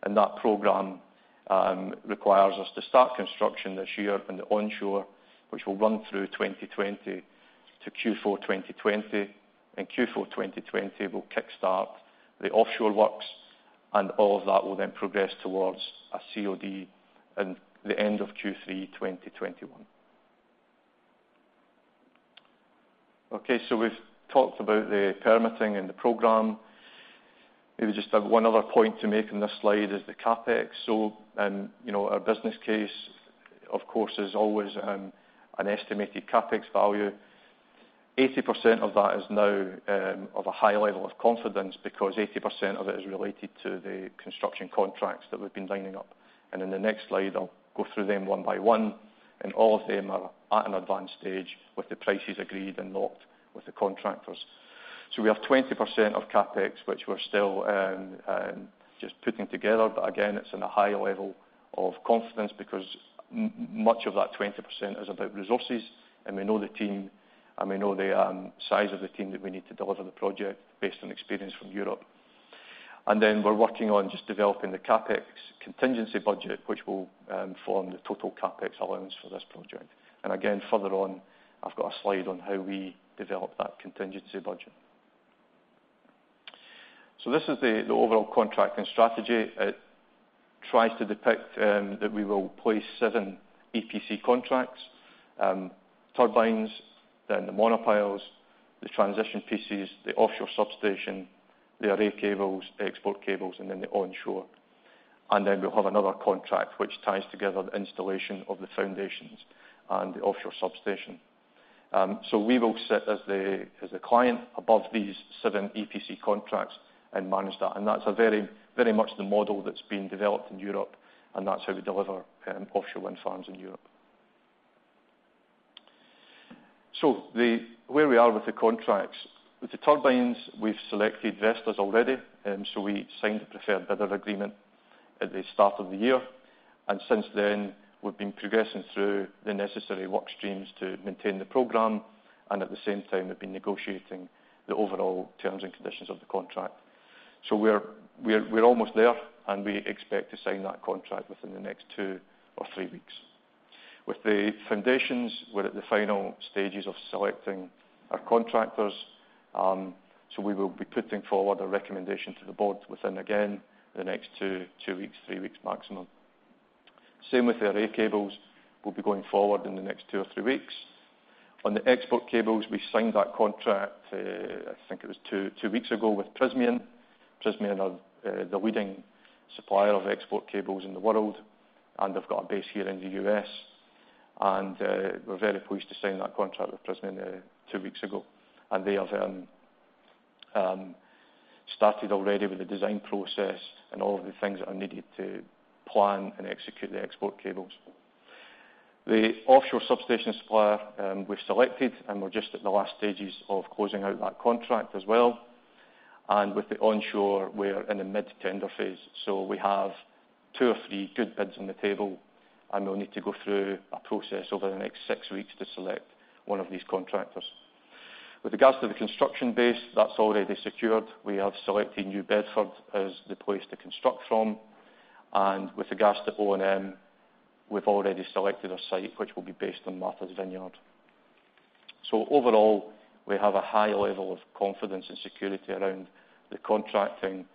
That program requires us to start construction this year in the onshore, which will run through 2020 to Q4 2020. Q4 2020, we'll kickstart the offshore works, and all of that will then progress towards a COD in the end of Q3 2021. We've talked about the permitting and the program. Maybe just one other point to make on this slide is the CapEx. Our business case, of course, is always an estimated CapEx value. 80% of that is now of a high level of confidence because 80% of it is related to the construction contracts that we've been lining up. In the next slide, I'll go through them one by one, and all of them are at an advanced stage with the prices agreed and locked with the contractors. We have 20% of CapEx, which we're still just putting together. Again, it's in a high level of confidence because much of that 20% is about resources, and we know the team, and we know the size of the team that we need to deliver the project based on experience from Europe. Then we're working on just developing the CapEx contingency budget, which will form the total CapEx allowance for this project. Again, further on, I've got a slide on how we develop that contingency budget. This is the overall contracting strategy. It tries to depict that we will place seven EPC contracts, turbines, then the monopiles, the transition pieces, the offshore substation, the array cables, export cables, and then the onshore. Then we'll have another contract, which ties together the installation of the foundations and the offshore substation. We will sit as the client above these seven EPC contracts and manage that. That's very much the model that's been developed in Europe, and that's how we deliver offshore wind farms in Europe. Where we are with the contracts. With the turbines, we've selected Vestas already, we signed the preferred bidder agreement at the start of the year. Since then, we've been progressing through the necessary work streams to maintain the program, and at the same time, we've been negotiating the overall terms and conditions of the contract. We're almost there, and we expect to sign that contract within the next two or three weeks. With the foundations, we're at the final stages of selecting our contractors, we will be putting forward a recommendation to the board within, again, the next two weeks, three weeks maximum. Same with the array cables, we'll be going forward in the next two or three weeks. On the export cables, we signed that contract, I think it was two weeks ago with Prysmian. Prysmian are the leading supplier of export cables in the world, and they've got a base here in the U.S. We're very pleased to sign that contract with Prysmian two weeks ago. They have started already with the design process and all of the things that are needed to plan and execute the export cables. The offshore substation supplier we've selected, and we're just at the last stages of closing out that contract as well, and with the onshore, we're in the mid-tender phase. We have two or three good bids on the table, and we'll need to go through a process over the next six weeks to select one of these contractors. With regards to the construction base, that's already secured. We have selected New Bedford as the place to construct from. With regards to O&M, we've already selected a site which will be based on Martha's Vineyard. Overall, we have a high level of confidence and security around the contracting,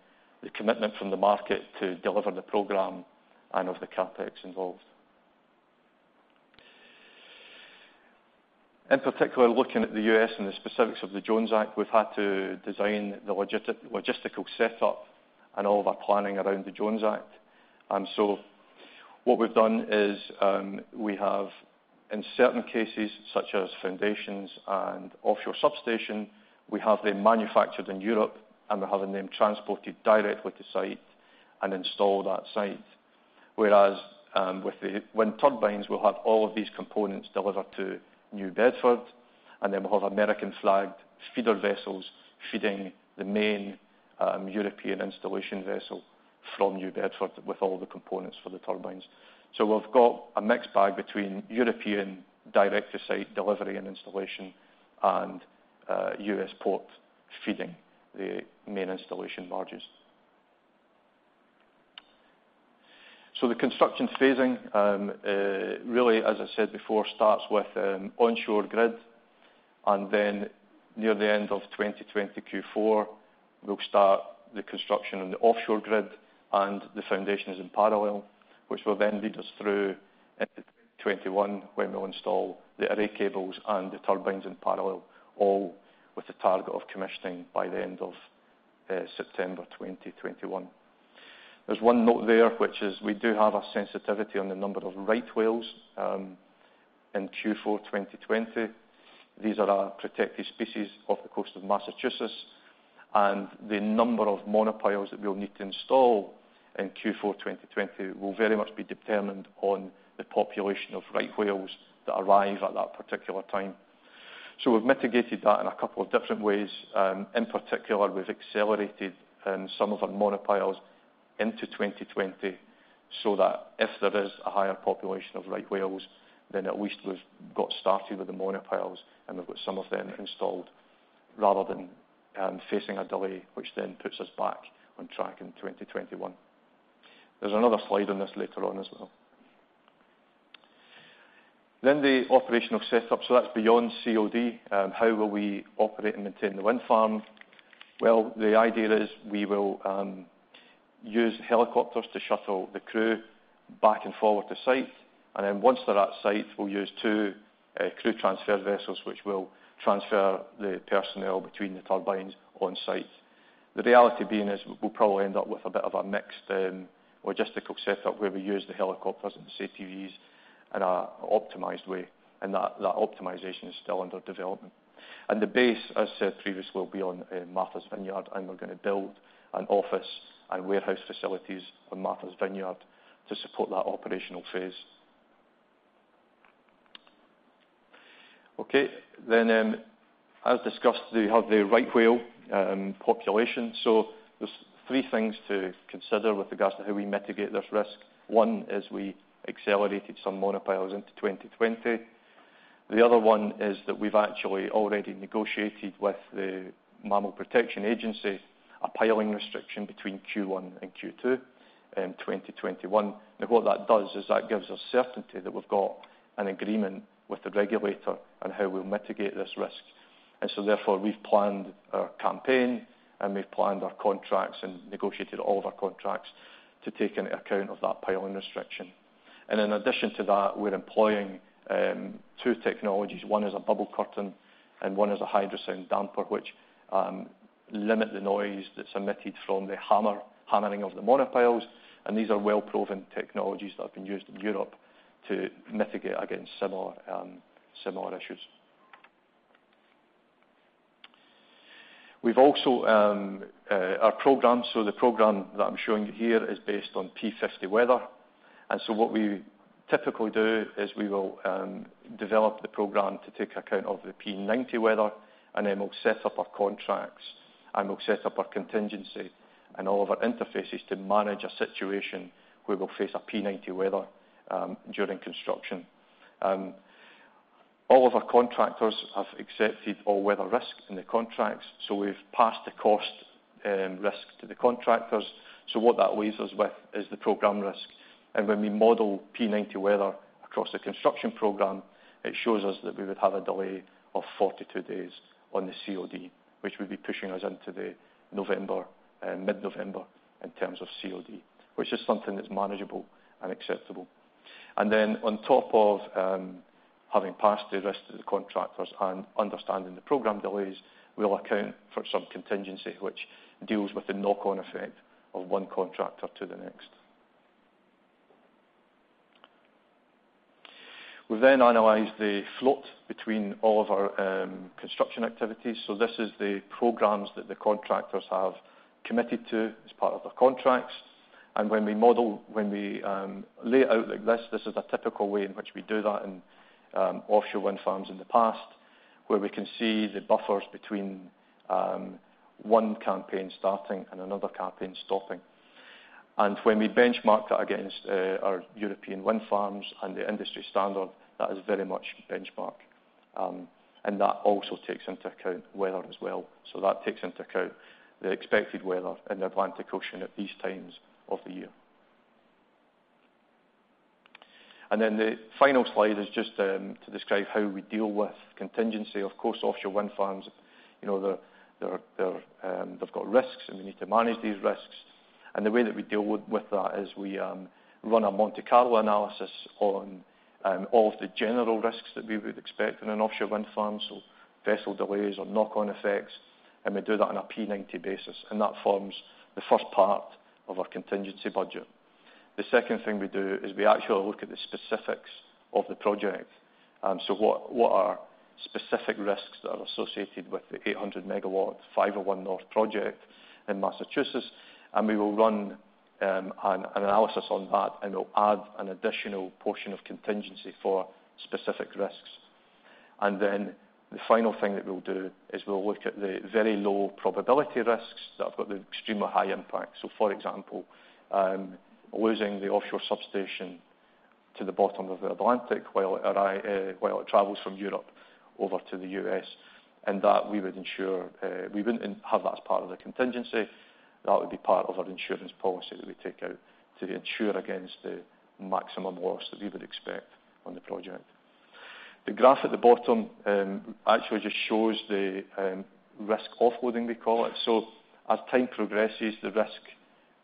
the commitment from the market to deliver the program, and of the CapEx involved. In particular, looking at the U.S. and the specifics of the Jones Act, we've had to design the logistical setup and all of our planning around the Jones Act. What we've done is, we have, in certain cases, such as foundations and offshore substation, we have them manufactured in Europe, and we're having them transported directly to site and installed at site. Whereas, with the wind turbines, we'll have all of these components delivered to New Bedford, and then we'll have American-flagged feeder vessels feeding the main European installation vessel from New Bedford with all the components for the turbines. We've got a mixed bag between European direct-to-site delivery and installation and U.S. port feeding the main installation barges. The construction phasing, really, as I said before, starts with an onshore grid, and then near the end of 2020 Q4, we'll start the construction on the offshore grid, and the foundation is in parallel, which will then lead us through into 2021, when we'll install the array cables and the turbines in parallel, all with the target of commissioning by the end of September 2021. There's one note there, which is we do have a sensitivity on the number of right whales in Q4 2020. These are a protected species off the coast of Massachusetts, and the number of monopiles that we'll need to install in Q4 2020 will very much be determined on the population of right whales that arrive at that particular time. We've mitigated that in a couple of different ways. In particular, we've accelerated some of our monopiles into 2020 so that if there is a higher population of right whales, then at least we've got started with the monopiles, and we've got some of them installed rather than facing a delay, which then puts us back on track in 2021. There's another slide on this later on as well. The operational setup, so that's beyond COD. How will we operate and maintain the wind farm? Well, the idea is we will use helicopters to shuttle the crew back and forward to site. Once they're at site, we'll use two crew transfer vessels, which will transfer the personnel between the turbines on site. The reality being is we'll probably end up with a bit of a mixed logistical set up where we use the helicopters and the CTVs in an optimized way, and that optimization is still under development. The base, as said previously, will be on Martha's Vineyard, and we're going to build an office and warehouse facilities on Martha's Vineyard to support that operational phase. As discussed, you have the right whale population. There's three things to consider with regards to how we mitigate this risk. One is we accelerated some monopiles into 2020. The other one is that we've actually already negotiated with the Mammal Protection Agency a piling restriction between Q1 and Q2 in 2021. What that does is that gives us certainty that we've got an agreement with the regulator on how we'll mitigate this risk. Therefore, we've planned our campaign, we've planned our contracts and negotiated all of our contracts to take into account of that piling restriction. In addition to that, we're employing two technologies. One is a bubble curtain, and one is a hydro sound damper, which limit the noise that's emitted from the hammering of the monopiles. These are well-proven technologies that have been used in Europe to mitigate against similar issues. Our program, so the program that I'm showing you here is based on P50 weather. What we typically do is we will develop the program to take account of the P90 weather, then we'll set up our contracts, we'll set up our contingency and all of our interfaces to manage a situation where we'll face a P90 weather during construction. All of our contractors have accepted all weather risk in the contracts, we've passed the cost risk to the contractors. What that leaves us with is the program risk. When we model P90 weather across the construction program, it shows us that we would have a delay of 42 days on the COD, which would be pushing us into the mid-November in terms of COD, which is something that's manageable and acceptable. Then on top of having passed the risk to the contractors and understanding the program delays, we'll account for some contingency which deals with the knock-on effect of one contractor to the next. We then analyze the float between all of our construction activities. This is the programs that the contractors have committed to as part of their contracts. When we lay it out like this is a typical way in which we do that in offshore wind farms in the past, where we can see the buffers between one campaign starting and another campaign stopping. When we benchmark that against our European wind farms and the industry standard, that is very much benchmark. That also takes into account weather as well. That takes into account the expected weather in the Atlantic Ocean at these times of the year. Then the final slide is just to describe how we deal with contingency. Of course, offshore wind farms, they've got risks. We need to manage these risks. The way that we deal with that is we run a Monte Carlo analysis on all of the general risks that we would expect in an offshore wind farm, so vessel delays or knock-on effects, we do that on a P90 basis, that forms the first part of our contingency budget. The second thing we do is we actually look at the specifics of the project. What are specific risks that are associated with the 800-megawatt OCS-A 0501 North project in Massachusetts? We will run an analysis on that, we'll add an additional portion of contingency for specific risks. Then the final thing that we'll do is we'll look at the very low probability risks that have got the extremely high impact. For example, losing the offshore substation to the bottom of the Atlantic while it travels from Europe over to the U.S., we wouldn't have that as part of the contingency. That would be part of our insurance policy that we take out to insure against the maximum loss that we would expect on the project. The graph at the bottom actually just shows the risk offloading, we call it. As time progresses, the risk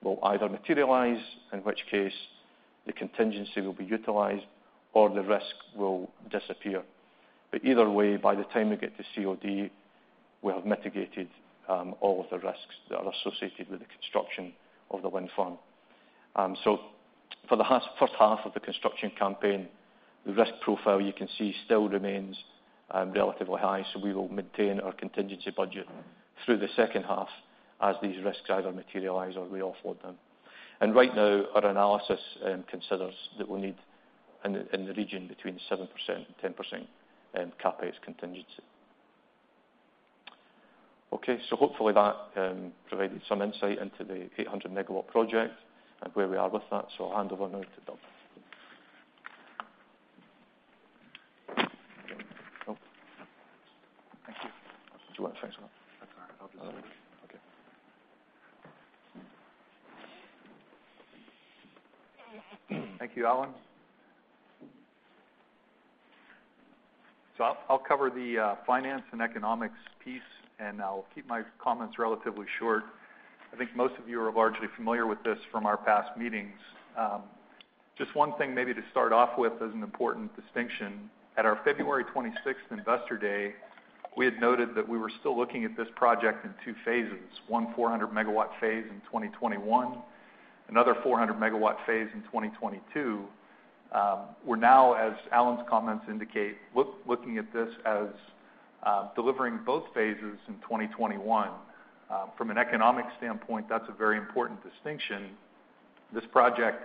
will either materialize, in which case the contingency will be utilized, or the risk will disappear. Either way, by the time we get to COD, we have mitigated all of the risks that are associated with the construction of the wind farm. For the first half of the construction campaign, the risk profile you can see still remains relatively high. We will maintain our contingency budget through the second half as these risks either materialize or we offload them. Right now, our analysis considers that we'll need in the region between 7% and 10% CapEx contingency. Okay, hopefully that provided some insight into the 800-megawatt project and where we are with that. I'll hand over now to Doug. Thank you. Do you want to transfer? That's all right. I'll do it. Okay. Thank you, Alan. I'll cover the finance and economics piece, I'll keep my comments relatively short. I think most of you are largely familiar with this from our past meetings. Just one thing maybe to start off with as an important distinction, at our February 26th investor day, we had noted that we were still looking at this project in two phases, one 400-megawatt phase in 2021, another 400-megawatt phase in 2022. We're now, as Alan's comments indicate, looking at this as delivering both phases in 2021. From an economic standpoint, that's a very important distinction. This project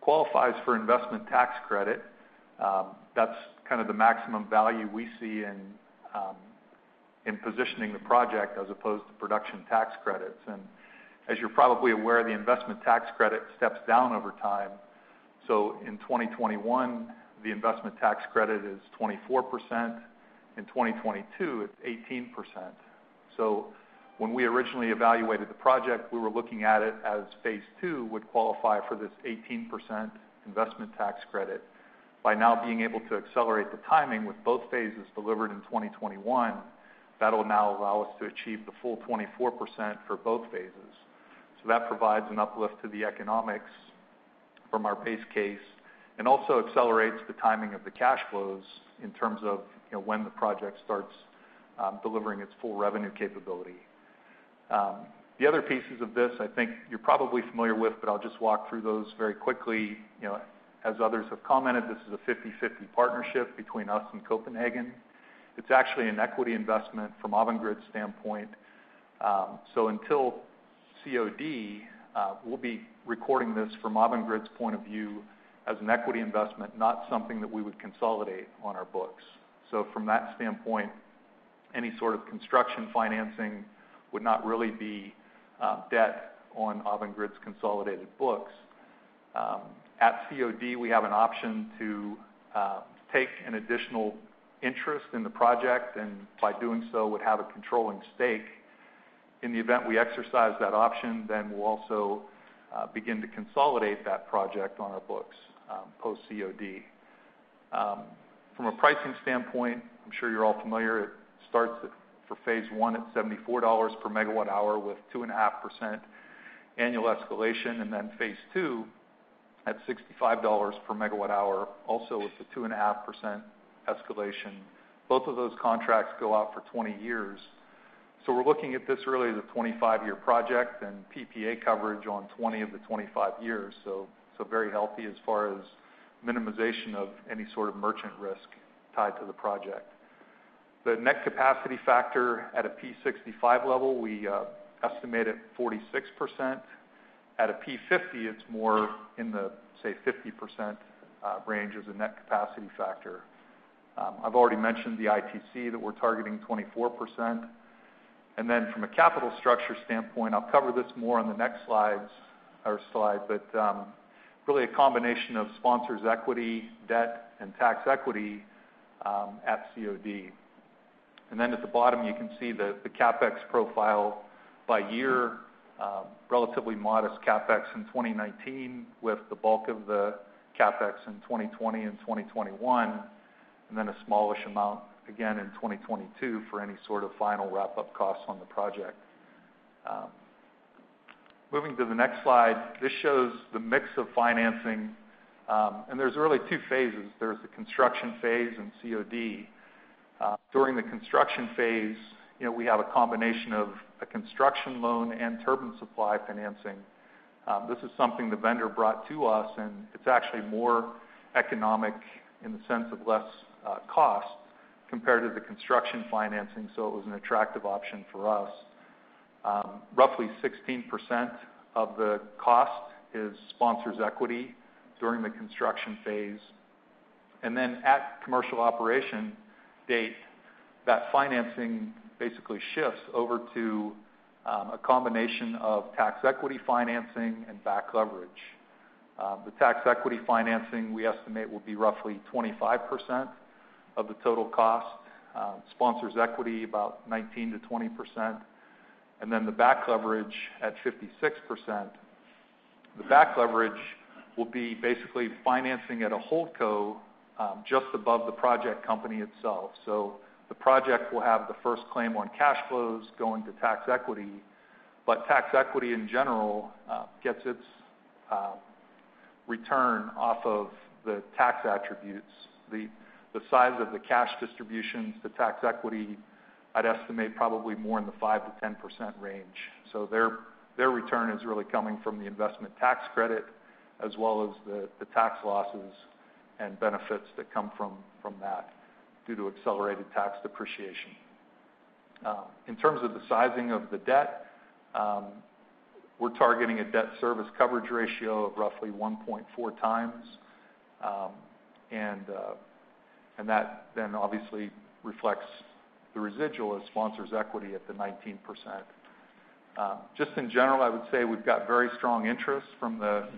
qualifies for investment tax credit. That's kind of the maximum value we see in positioning the project as opposed to production tax credits. As you're probably aware, the investment tax credit steps down over time. In 2021, the investment tax credit is 24%. In 2022, it's 18%. When we originally evaluated the project, we were looking at it as phase two would qualify for this 18% investment tax credit. By now being able to accelerate the timing with both phases delivered in 2021, that'll now allow us to achieve the full 24% for both phases. That provides an uplift to the economics from our base case and also accelerates the timing of the cash flows in terms of when the project starts delivering its full revenue capability. The other pieces of this, I think you're probably familiar with, I'll just walk through those very quickly. As others have commented, this is a 50/50 partnership between us and Copenhagen. It's actually an equity investment from Avangrid's standpoint. Until COD, we'll be recording this from Avangrid's point of view as an equity investment, not something that we would consolidate on our books. From that standpoint, any sort of construction financing would not really be debt on Avangrid's consolidated books. At COD, we have an option to take an additional interest in the project, by doing so, would have a controlling stake. In the event we exercise that option, we'll also begin to consolidate that project on our books, post COD. From a pricing standpoint, I'm sure you're all familiar, it starts for phase one at $74 per megawatt hour with 2.5% annual escalation, phase two at $65 per megawatt hour, also with the 2.5% escalation. Both of those contracts go out for 20 years. We're looking at this really as a 25-year project and PPA coverage on 20 of the 25 years. Very healthy as far as minimization of any sort of merchant risk tied to the project. The net capacity factor at a P65 level, we estimate at 46%. At a P50, it's more in the, say, 50% range as a net capacity factor. I've already mentioned the ITC, that we're targeting 24%. From a capital structure standpoint, I'll cover this more on the next slide, but really a combination of sponsors' equity, debt, and tax equity at COD. At the bottom, you can see the CapEx profile by year. Relatively modest CapEx in 2019, with the bulk of the CapEx in 2020 and 2021, and then a smallish amount again in 2022 for any sort of final wrap-up costs on the project. Moving to the next slide. This shows the mix of financing. There's really two phases. There's the construction phase and COD. During the construction phase, we have a combination of a construction loan and turbine supply financing. This is something the vendor brought to us, it's actually more economic in the sense of less cost compared to the construction financing, it was an attractive option for us. Roughly 16% of the cost is sponsors' equity during the construction phase. At commercial operation date, that financing basically shifts over to a combination of tax equity financing and back leverage. The tax equity financing, we estimate, will be roughly 25% of the total cost. Sponsors' equity, about 19%-20%. The back leverage at 56%. The back leverage will be basically financing at a holdco, just above the project company itself. The project will have the first claim on cash flows going to tax equity, but tax equity in general gets its return off of the tax attributes. The size of the cash distributions to tax equity, I'd estimate probably more in the 5%-10% range. Their return is really coming from the investment tax credit, as well as the tax losses and benefits that come from that due to accelerated tax depreciation. In terms of the sizing of the debt, we're targeting a debt service coverage ratio of roughly 1.4 times. That then obviously reflects the residual as sponsors' equity at the 19%. Just in general, I would say we've got very strong interest from the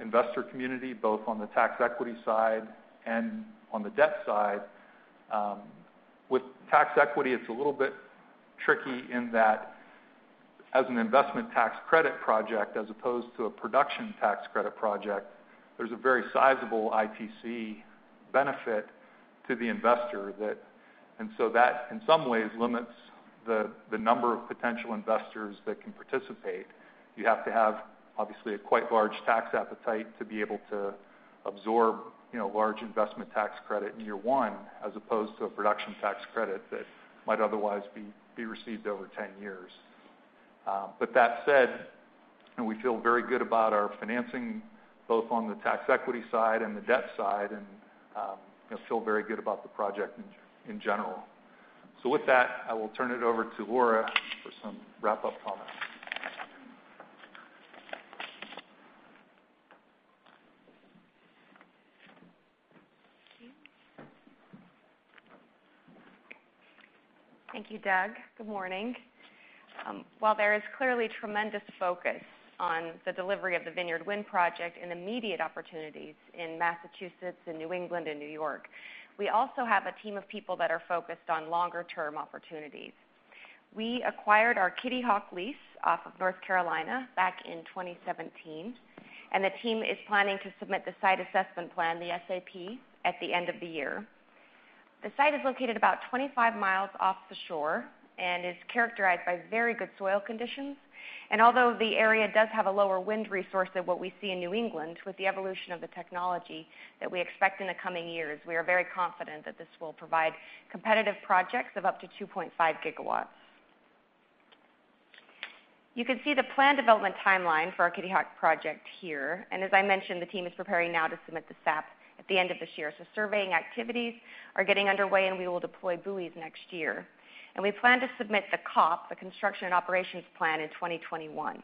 investor community, both on the tax equity side and on the debt side. With tax equity, it's a little bit tricky in that as an investment tax credit project, as opposed to a production tax credit project, there's a very sizable ITC benefit to the investor. That, in some ways, limits the number of potential investors that can participate. You have to have, obviously, a quite large tax appetite to be able to absorb large investment tax credit in year one, as opposed to a production tax credit that might otherwise be received over 10 years. That said, we feel very good about our financing, both on the tax equity side and the debt side, feel very good about the project in general. With that, I will turn it over to Laura for some wrap-up comments. Thank you. Thank you, Doug. Good morning. While there is clearly tremendous focus on the delivery of the Vineyard Wind project and immediate opportunities in Massachusetts and New England and New York, we also have a team of people that are focused on longer-term opportunities. We acquired our Kitty Hawk lease off of North Carolina back in 2017, and the team is planning to submit the site assessment plan, the SAP, at the end of the year. The site is located about 25 miles off the shore and is characterized by very good soil conditions. Although the area does have a lower wind resource than what we see in New England, with the evolution of the technology that we expect in the coming years, we are very confident that this will provide competitive projects of up to 2.5 gigawatts. You can see the plan development timeline for our Kitty Hawk project here. As I mentioned, the team is preparing now to submit the SAP at the end of this year. Surveying activities are getting underway, and we will deploy buoys next year. We plan to submit the COP, the construction and operations plan, in 2021.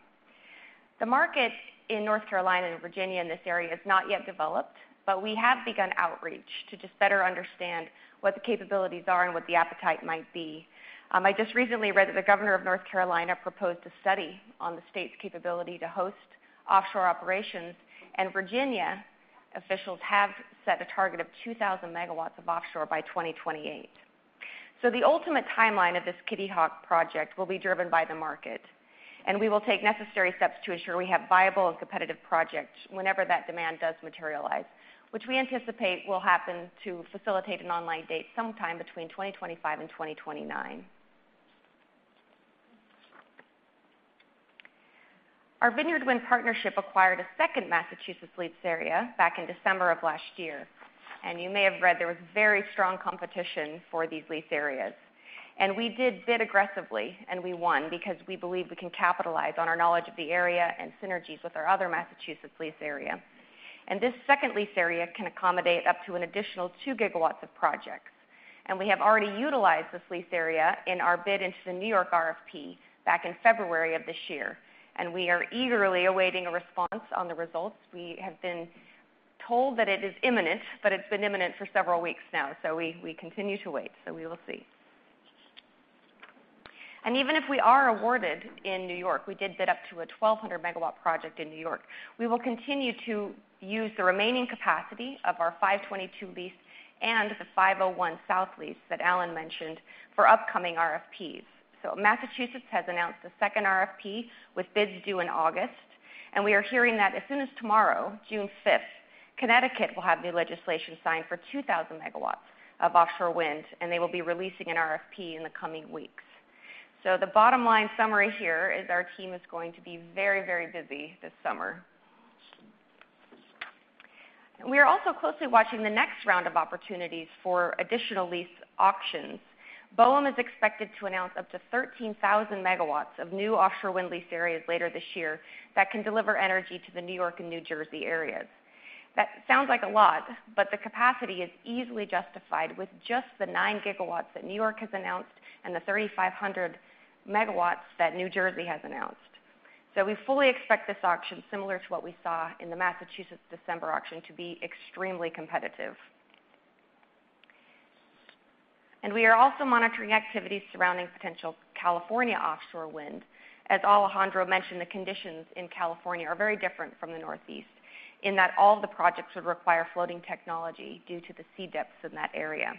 The market in North Carolina and Virginia in this area is not yet developed, but we have begun outreach to just better understand what the capabilities are and what the appetite might be. I just recently read that the governor of North Carolina proposed a study on the state's capability to host offshore operations, and Virginia officials have set a target of 2,000 megawatts of offshore by 2028. The ultimate timeline of this Kitty Hawk project will be driven by the market, and we will take necessary steps to ensure we have viable and competitive projects whenever that demand does materialize, which we anticipate will happen to facilitate an online date sometime between 2025 and 2029. Our Vineyard Wind partnership acquired a second Massachusetts lease area back in December of last year. You may have read there was very strong competition for these lease areas. We did bid aggressively, and we won because we believe we can capitalize on our knowledge of the area and synergies with our other Massachusetts lease area. This second lease area can accommodate up to an additional 2 gigawatts of projects. We have already utilized this lease area in our bid into the New York RFP back in February of this year, and we are eagerly awaiting a response on the results. We have been told that it is imminent, but it's been imminent for several weeks now, we continue to wait, we will see. Even if we are awarded in New York, we did bid up to a 1,200-megawatt project in New York. We will continue to use the remaining capacity of our 522 lease and the 501 South lease that Alan mentioned for upcoming RFPs. Massachusetts has announced a second RFP with bids due in August, and we are hearing that as soon as tomorrow, June 5th, Connecticut will have new legislation signed for 2,000 MW of offshore wind, and they will be releasing an RFP in the coming weeks. The bottom line summary here is our team is going to be very busy this summer. We are also closely watching the next round of opportunities for additional lease auctions. BOEM is expected to announce up to 13,000 MW of new offshore wind lease areas later this year that can deliver energy to the New York and New Jersey areas. That sounds like a lot, but the capacity is easily justified with just the 9 GW that New York has announced and the 3,500 MW that New Jersey has announced. We fully expect this auction, similar to what we saw in the Massachusetts December auction, to be extremely competitive. We are also monitoring activities surrounding potential California offshore wind. As Alejandro mentioned, the conditions in California are very different from the Northeast in that all the projects would require floating technology due to the sea depths in that area.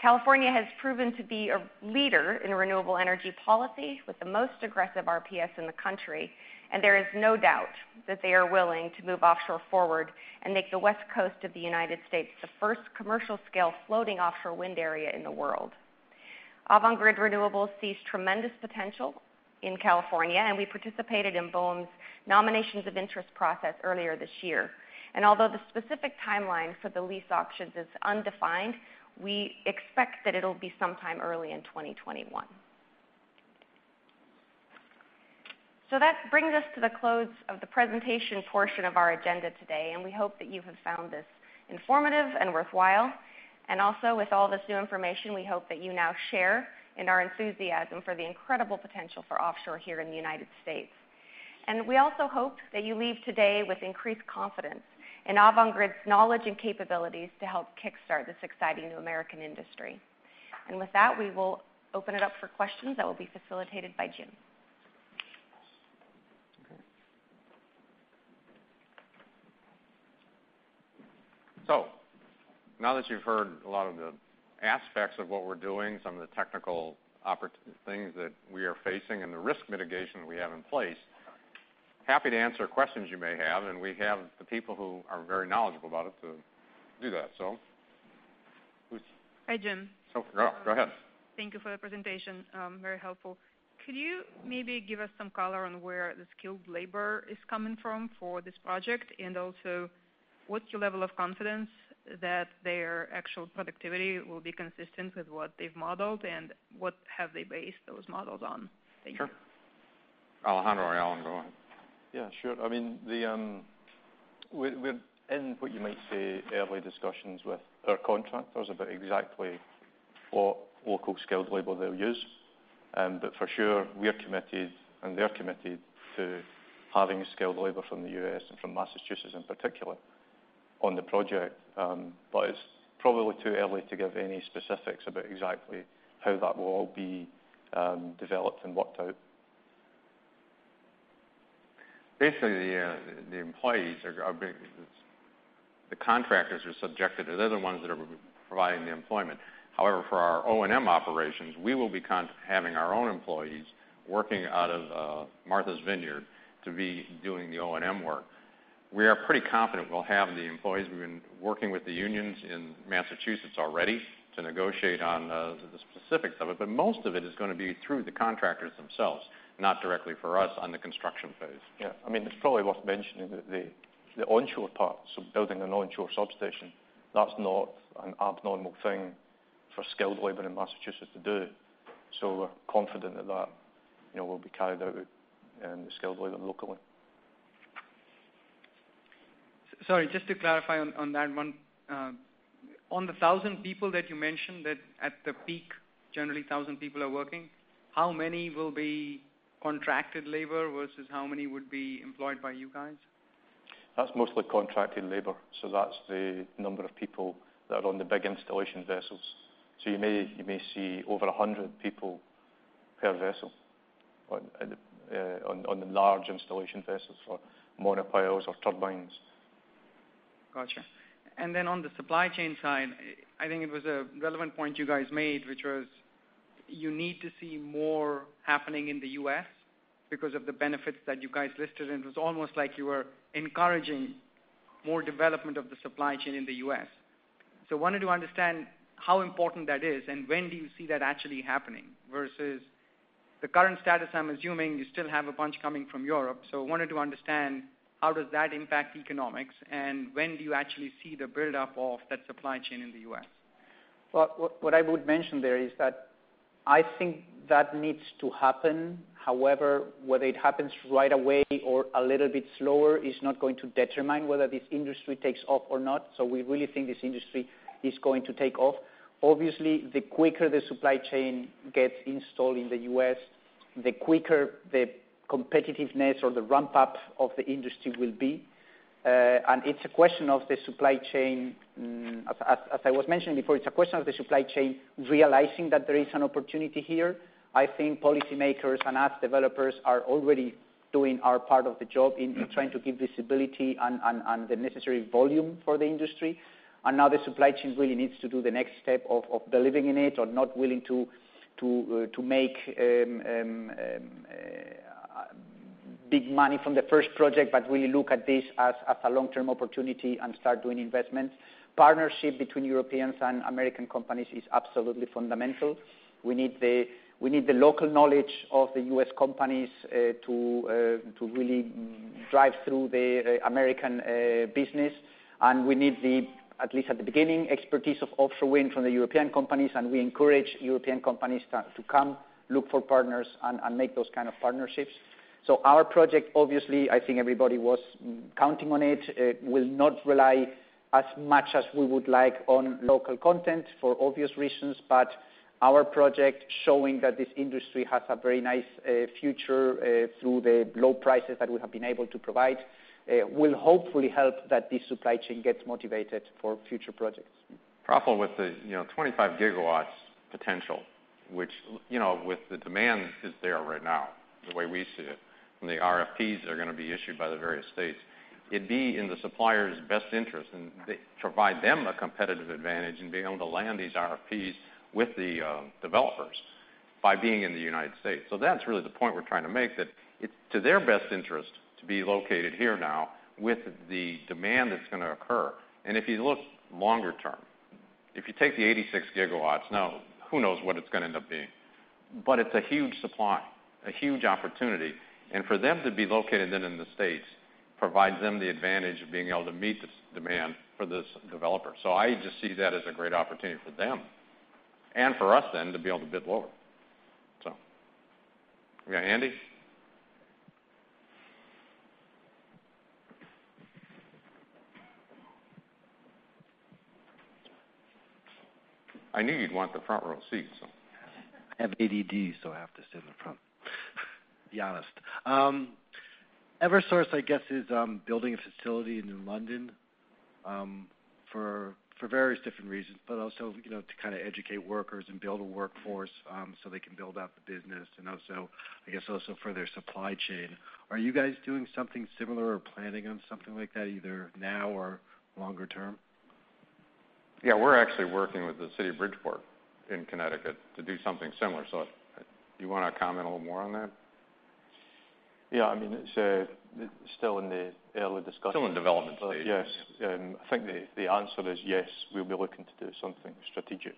California has proven to be a leader in renewable energy policy with the most aggressive RPS in the country, and there is no doubt that they are willing to move offshore forward and make the West Coast of the U.S. the first commercial-scale floating offshore wind area in the world. Avangrid Renewables sees tremendous potential in California, and we participated in BOEM's nominations of interest process earlier this year. Although the specific timeline for the lease auctions is undefined, we expect that it'll be sometime early in 2021. That brings us to the close of the presentation portion of our agenda today, we hope that you have found this informative and worthwhile. Also, with all this new information, we hope that you now share in our enthusiasm for the incredible potential for offshore here in the U.S. We also hope that you leave today with increased confidence in Avangrid's knowledge and capabilities to help kickstart this exciting new American industry. With that, we will open it up for questions that will be facilitated by Jim. Okay. Now that you've heard a lot of the aspects of what we're doing, some of the technical things that we are facing and the risk mitigation that we have in place, happy to answer questions you may have, and we have the people who are very knowledgeable about it to do that. Hi, Jim. Go ahead. Thank you for the presentation. Very helpful. Could you maybe give us some color on where the skilled labor is coming from for this project? Also, what's your level of confidence that their actual productivity will be consistent with what they've modeled, and what have they based those models on? Thank you. Sure. Alejandro or Alan, go ahead. Yeah. We're in what you might say early discussions with our contractors about exactly what local skilled labor they'll use. For sure, we're committed, and they're committed to having skilled labor from the U.S. and from Massachusetts in particular on the project. It's probably too early to give any specifics about exactly how that will all be developed and worked out. Basically, the contractors are subjected, they're the ones that are providing the employment. However, for our O&M operations, we will be having our own employees working out of Martha's Vineyard to be doing the O&M work. We are pretty confident we'll have the employees. We've been working with the unions in Massachusetts already to negotiate on the specifics of it, but most of it is going to be through the contractors themselves, not directly for us on the construction phase. Yeah. It's probably worth mentioning that the onshore parts of building an onshore substation, that's not an abnormal thing for skilled labor in Massachusetts to do. We're confident that will be carried out with skilled labor locally. Sorry, just to clarify on that one. On the 1,000 people that you mentioned, that at the peak, generally 1,000 people are working, how many will be contracted labor versus how many would be employed by you guys? That's mostly contracted labor. That's the number of people that are on the big installation vessels. You may see over 100 people per vessel on the large installation vessels for monopiles or turbines. Got you. Then on the supply chain side, I think it was a relevant point you guys made, which was, you need to see more happening in the U.S. because of the benefits that you guys listed, and it was almost like you were encouraging more development of the supply chain in the U.S. Wanted to understand how important that is and when do you see that actually happening versus the current status, I'm assuming you still have a bunch coming from Europe, wanted to understand how does that impact economics and when do you actually see the buildup of that supply chain in the U.S.? What I would mention there is that I think that needs to happen. However, whether it happens right away or a little bit slower is not going to determine whether this industry takes off or not. We really think this industry is going to take off. Obviously, the quicker the supply chain gets installed in the U.S., the quicker the competitiveness or the ramp-up of the industry will be. It's a question of the supply chain, as I was mentioning before, it's a question of the supply chain realizing that there is an opportunity here. I think policymakers and us developers are already doing our part of the job in trying to give visibility and the necessary volume for the industry. Now the supply chain really needs to do the next step of believing in it or not willing to make big money from the first project, but really look at this as a long-term opportunity and start doing investment. Partnership between Europeans and American companies is absolutely fundamental. We need the local knowledge of the U.S. companies, to really drive through the American business. We need the, at least at the beginning, expertise of offshore wind from the European companies, and we encourage European companies to come look for partners and make those kind of partnerships. Our project, obviously, I think everybody was counting on it, will not rely as much as we would like on local content for obvious reasons, but our project, showing that this industry has a very nice future, through the low prices that we have been able to provide, will hopefully help that this supply chain gets motivated for future projects. Probably with the 25 gigawatts potential, which with the demand that is there right now, the way we see it, from the RFPs that are going to be issued by the various States, it'd be in the suppliers' best interest, and provide them a competitive advantage in being able to land these RFPs with the developers by being in the United States. That's really the point we're trying to make, that it's to their best interest to be located here now with the demand that's going to occur. If you look longer term, if you take the 86 gigawatts, now who knows what it's going to end up being? It's a huge supply, a huge opportunity. For them to be located then in the States provides them the advantage of being able to meet this demand for this developer. I just see that as a great opportunity for them and for us then to be able to bid lower. We got Andy? I knew you'd want the front-row seat, so I have ADD, so I have to sit in the front to be honest. Eversource, I guess, is building a facility in New London, for various different reasons, but also to educate workers and build a workforce, so they can build out the business and I guess also for their supply chain. Are you guys doing something similar or planning on something like that, either now or longer term? We're actually working with the city of Bridgeport in Connecticut to do something similar. Do you want to comment a little more on that? It's still in the early discussions. Still in the development stage. Yes. I think the answer is yes, we'll be looking to do something strategic.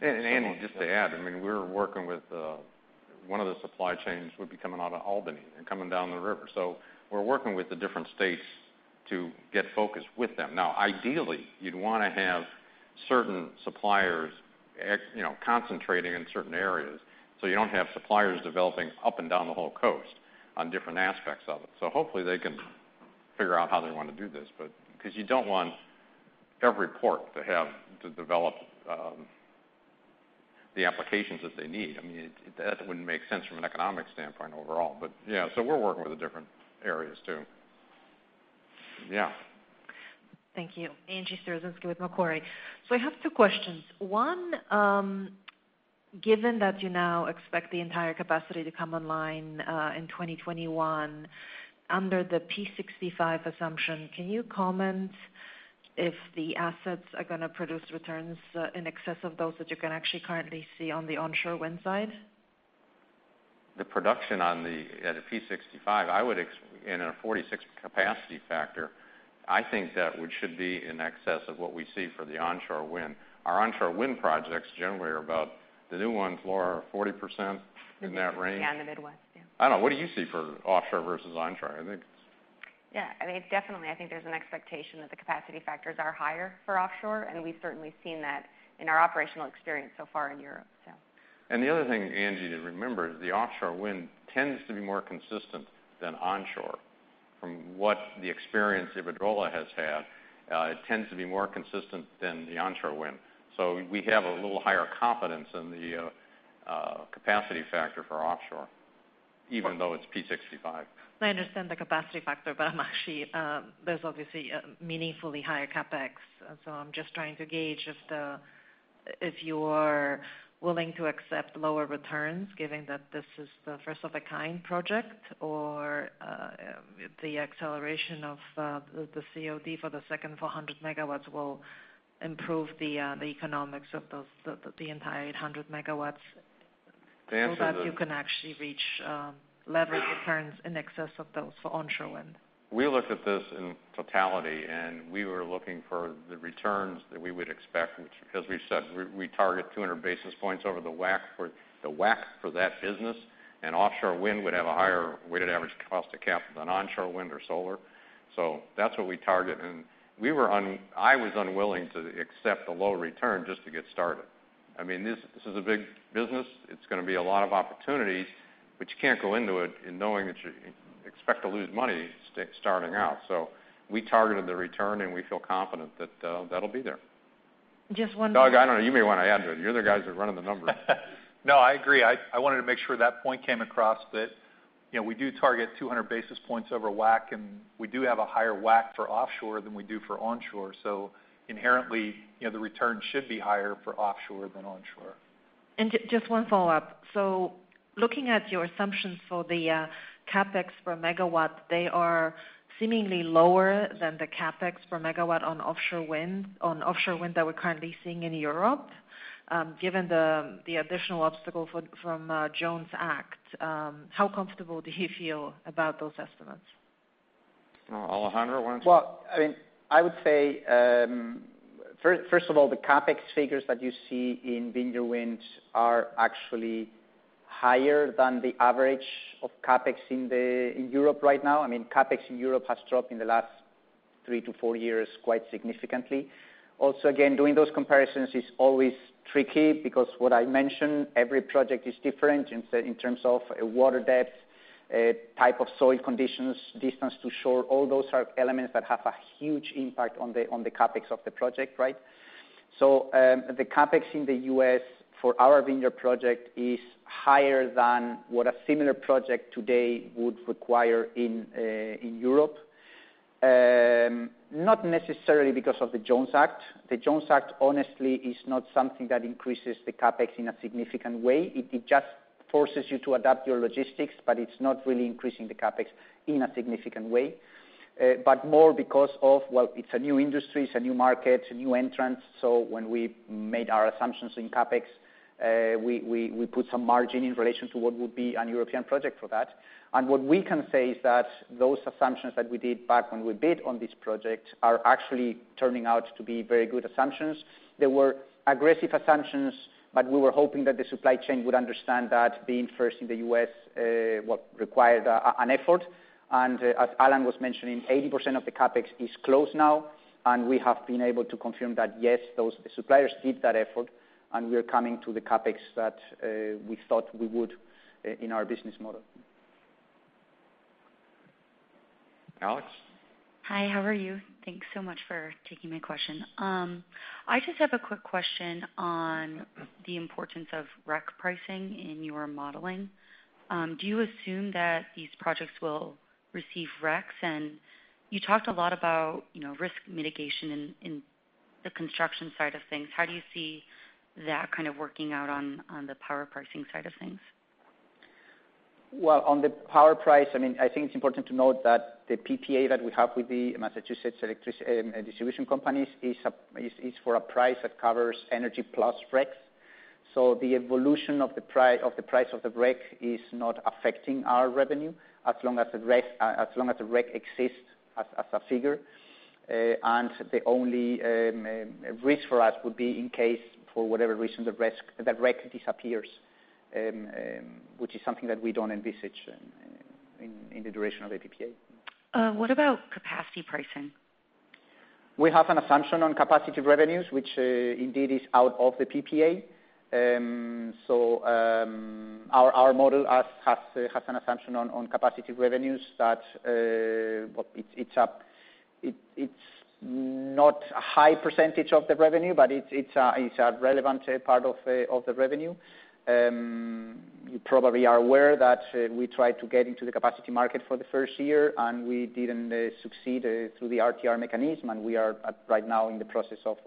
Andy, just to add, we're working with one of the supply chains would be coming out of Albany and coming down the river. We're working with the different states to get focused with them. Ideally, you'd want to have certain suppliers concentrating in certain areas so you don't have suppliers developing up and down the whole coast on different aspects of it. Hopefully they can figure out how they want to do this, because you don't want every port to develop the applications that they need. That wouldn't make sense from an economic standpoint overall. Yeah, we're working with the different areas, too. Yeah. Thank you. Angie Storozynski with Macquarie. I have two questions. One, given that you now expect the entire capacity to come online, in 2021, under the P65 assumption, can you comment if the assets are going to produce returns in excess of those that you can actually currently see on the onshore wind side? The production at a P65 and a 46 capacity factor, I think that should be in excess of what we see for the onshore wind. Our onshore wind projects generally are about. The new ones lower, are 40%, in that range. Yeah, in the Midwest, yeah. I don't know, what do you see for offshore versus onshore? I think it's- Yeah. Definitely, I think there's an expectation that the capacity factors are higher for offshore, we've certainly seen that in our operational experience so far in Europe, so. The other thing, Angie, to remember is the offshore wind tends to be more consistent than onshore. From what the experience Iberdrola has had, it tends to be more consistent than the onshore wind. We have a little higher confidence in the capacity factor for offshore, even though it's P65. I understand the capacity factor, there's obviously a meaningfully higher CapEx. I'm just trying to gauge if you are willing to accept lower returns, given that this is the first-of-a-kind project, or the acceleration of the COD for the second 400 MW will improve the economics of the entire 800 MW. The answer that That you can actually leverage returns in excess of those for onshore wind. We looked at this in totality, we were looking for the returns that we would expect, which, because we said we target 200 basis points over the WACC for that business. Offshore wind would have a higher weighted average cost of capital than onshore wind or solar. That's what we target. I was unwilling to accept a low return just to get started. This is a big business. It's going to be a lot of opportunities, but you can't go into it knowing that you expect to lose money starting out. We targeted the return, and we feel confident that that'll be there. Just one more Doug, I don't know, you may want to add to it. You're the guys that are running the numbers. I agree. I wanted to make sure that point came across, that we do target 200 basis points over WACC, and we do have a higher WACC for offshore than we do for onshore. Inherently, the return should be higher for offshore than onshore. Just one follow-up. Looking at your assumptions for the CapEx per megawatt, they are seemingly lower than the CapEx per megawatt on offshore wind that we're currently seeing in Europe. Given the additional obstacle from Jones Act, how comfortable do you feel about those estimates? Alejandro, why don't you? Well, I would say, first of all, the CapEx figures that you see in Vineyard Wind are actually higher than the average of CapEx in Europe right now. CapEx in Europe has dropped in the last three to four years quite significantly. Also, again, doing those comparisons is always tricky, because what I mentioned, every project is different in terms of water depth, type of soil conditions, distance to shore. All those are elements that have a huge impact on the CapEx of the project, right? The CapEx in the U.S. for our Vineyard project is higher than what a similar project today would require in Europe. Not necessarily because of the Jones Act. The Jones Act, honestly, is not something that increases the CapEx in a significant way. It just forces you to adapt your logistics, but it's not really increasing the CapEx in a significant way. More because of, well, it's a new industry, it's a new market, a new entrant. When we made our assumptions in CapEx, we put some margin in relation to what would be an European project for that. What we can say is that those assumptions that we did back when we bid on this project are actually turning out to be very good assumptions. They were aggressive assumptions, but we were hoping that the supply chain would understand that being first in the U.S. required an effort. As Alan was mentioning, 80% of the CapEx is closed now, and we have been able to confirm that, yes, those suppliers did that effort, and we are coming to the CapEx that we thought we would in our business model. Alex? Hi, how are you? Thanks so much for taking my question. I just have a quick question on the importance of REC pricing in your modeling. Do you assume that these projects will receive RECs? You talked a lot about risk mitigation in the construction side of things. How do you see that kind of working out on the power pricing side of things? Well, on the power price, I think it's important to note that the PPA that we have with the Massachusetts electricity distribution companies is for a price that covers energy plus RECs. The evolution of the price of the REC is not affecting our revenue as long as the REC exists as a figure. The only risk for us would be in case, for whatever reason, the REC disappears, which is something that we don't envisage in the duration of the PPA. What about capacity pricing? We have an assumption on capacity revenues, which indeed is out of the PPA. Our model has an assumption on capacity revenues that, it's not a high % of the revenue, but it's a relevant part of the revenue. You probably are aware that we tried to get into the capacity market for the first year, and we didn't succeed through the RTR mechanism. We are right now in the process of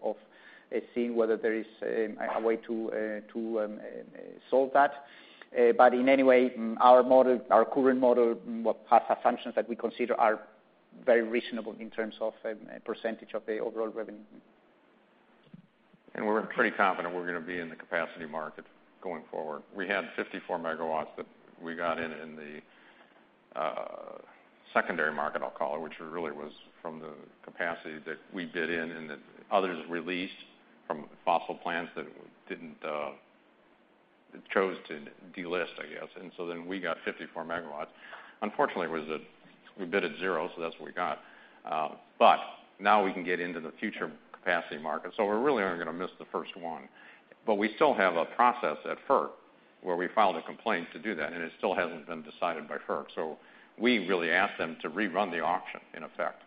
seeing whether there is a way to solve that. In any way, our current model has assumptions that we consider are very reasonable in terms of % of the overall revenue. We're pretty confident we're going to be in the capacity market going forward. We had 54 megawatts that we got in in the secondary market, I'll call it, which really was from the capacity that we bid in and the others released from fossil plants that didn't choose to delist, I guess. We got 54 megawatts. Unfortunately, we bid at zero, so that's what we got. Now we can get into the future capacity market. We're really only going to miss the first one. We still have a process at FERC, where we filed a complaint to do that, and it still hasn't been decided by FERC. We really asked them to rerun the auction, in effect,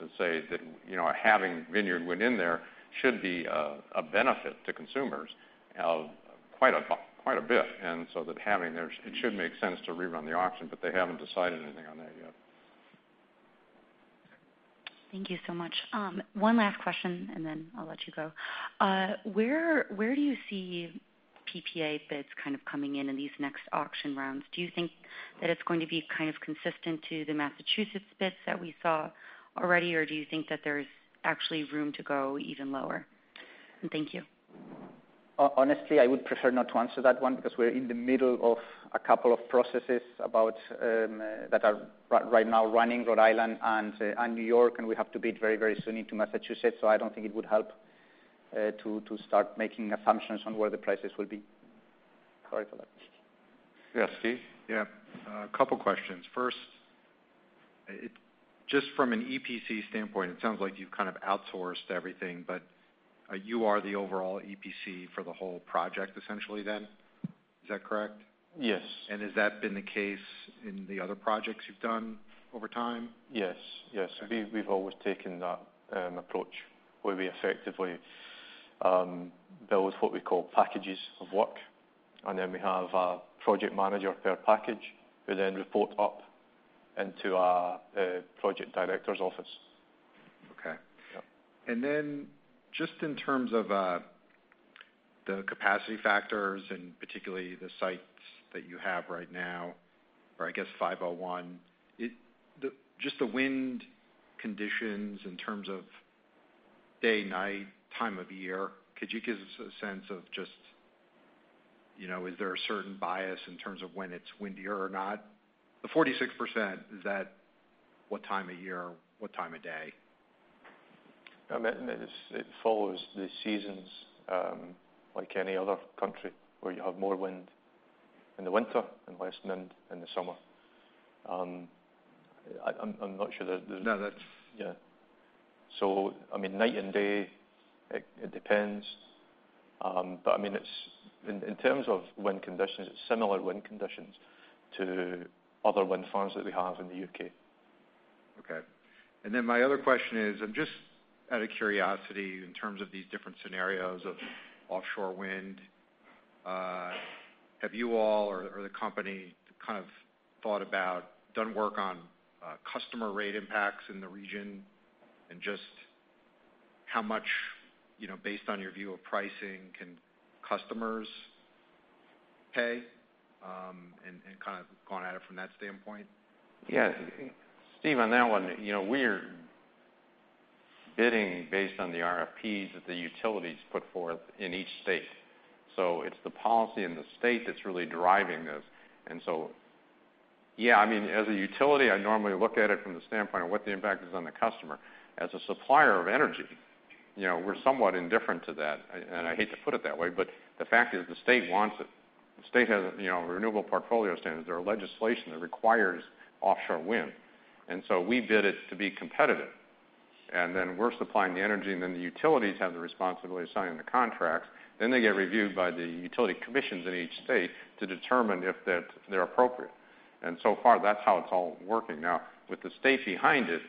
to say that having Vineyard Wind in there should be a benefit to consumers quite a bit. It should make sense to rerun the auction, but they haven't decided anything on that yet. Thank you so much. One last question. I'll let you go. Where do you see PPA bids kind of coming in these next auction rounds? Do you think that it's going to be kind of consistent to the Massachusetts bids that we saw already, or do you think that there's actually room to go even lower? Thank you. Honestly, I would prefer not to answer that one because we're in the middle of a couple of processes that are right now running Rhode Island and New York. We have to bid very soon into Massachusetts. I don't think it would help to start making assumptions on where the prices will be. Sorry for that. Yes, Steve? A couple of questions. First, just from an EPC standpoint, it sounds like you've kind of outsourced everything. You are the overall EPC for the whole project, essentially, then? Is that correct? Yes. Has that been the case in the other projects you've done over time? Yes. We've always taken that approach where we effectively build what we call packages of work, we have a project manager per package, who report up into a project director's office. Okay. Yeah. Just in terms of the capacity factors and particularly the sites that you have right now, or I guess 501, just the wind conditions in terms of day, night, time of year, could you give us a sense of just is there a certain bias in terms of when it's windier or not? The 46%, is that what time of year, what time of day? It follows the seasons like any other country where you have more wind in the winter and less wind in the summer. No, that's. Yeah. Night and day, it depends. In terms of wind conditions, it's similar wind conditions to other wind farms that we have in the U.K. Okay. My other question is, and just out of curiosity, in terms of these different scenarios of offshore wind, have you all or the company kind of thought about, done work on customer rate impacts in the region, and just how much, based on your view of pricing, can customers pay, and kind of gone at it from that standpoint? Yeah. Steve, on that one, we're bidding based on the RFPs that the utilities put forth in each state. It's the policy in the state that's really driving this. Yeah, as a utility, I normally look at it from the standpoint of what the impact is on the customer. As a supplier of energy, we're somewhat indifferent to that, and I hate to put it that way, but the fact is the state wants it. The state has renewable portfolio standards. There are legislation that requires offshore wind. We bid it to be competitive. We're supplying the energy, and then the utilities have the responsibility of signing the contracts. They get reviewed by the utility commissions in each state to determine if they're appropriate. So far, that's how it's all working. With the state behind it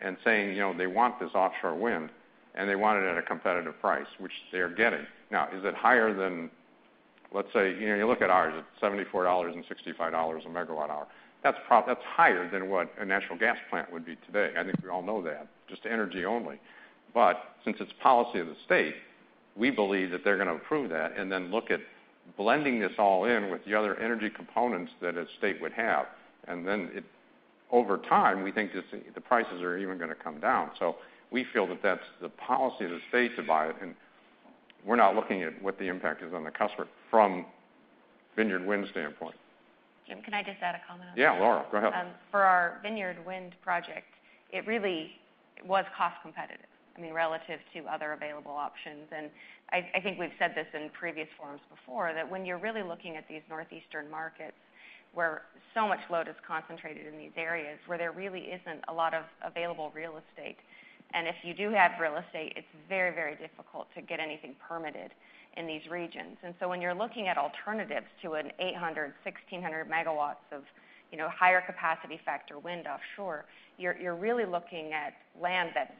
and saying they want this offshore wind, they want it at a competitive price, which they are getting. Is it higher than, let's say, you look at ours, it's $74 and $65 a megawatt hour. That's higher than what a natural gas plant would be today. I think we all know that, just energy only. Since it's policy of the state, we believe that they're going to approve that look at blending this all in with the other energy components that a state would have. Over time, we think the prices are even going to come down. We feel that that's the policy of the state to buy it, and we're not looking at what the impact is on the customer from Vineyard Wind standpoint. Jim, can I just add a comment on that? Yeah, Laura, go ahead. For our Vineyard Wind project, it really was cost competitive, I mean, relative to other available options. I think we've said this in previous forums before, that when you're really looking at these northeastern markets where so much load is concentrated in these areas where there really isn't a lot of available real estate, if you do have real estate, it's very difficult to get anything permitted in these regions. When you're looking at alternatives to an 800, 1,600 megawatts of higher capacity factor wind offshore, you're really looking at land that's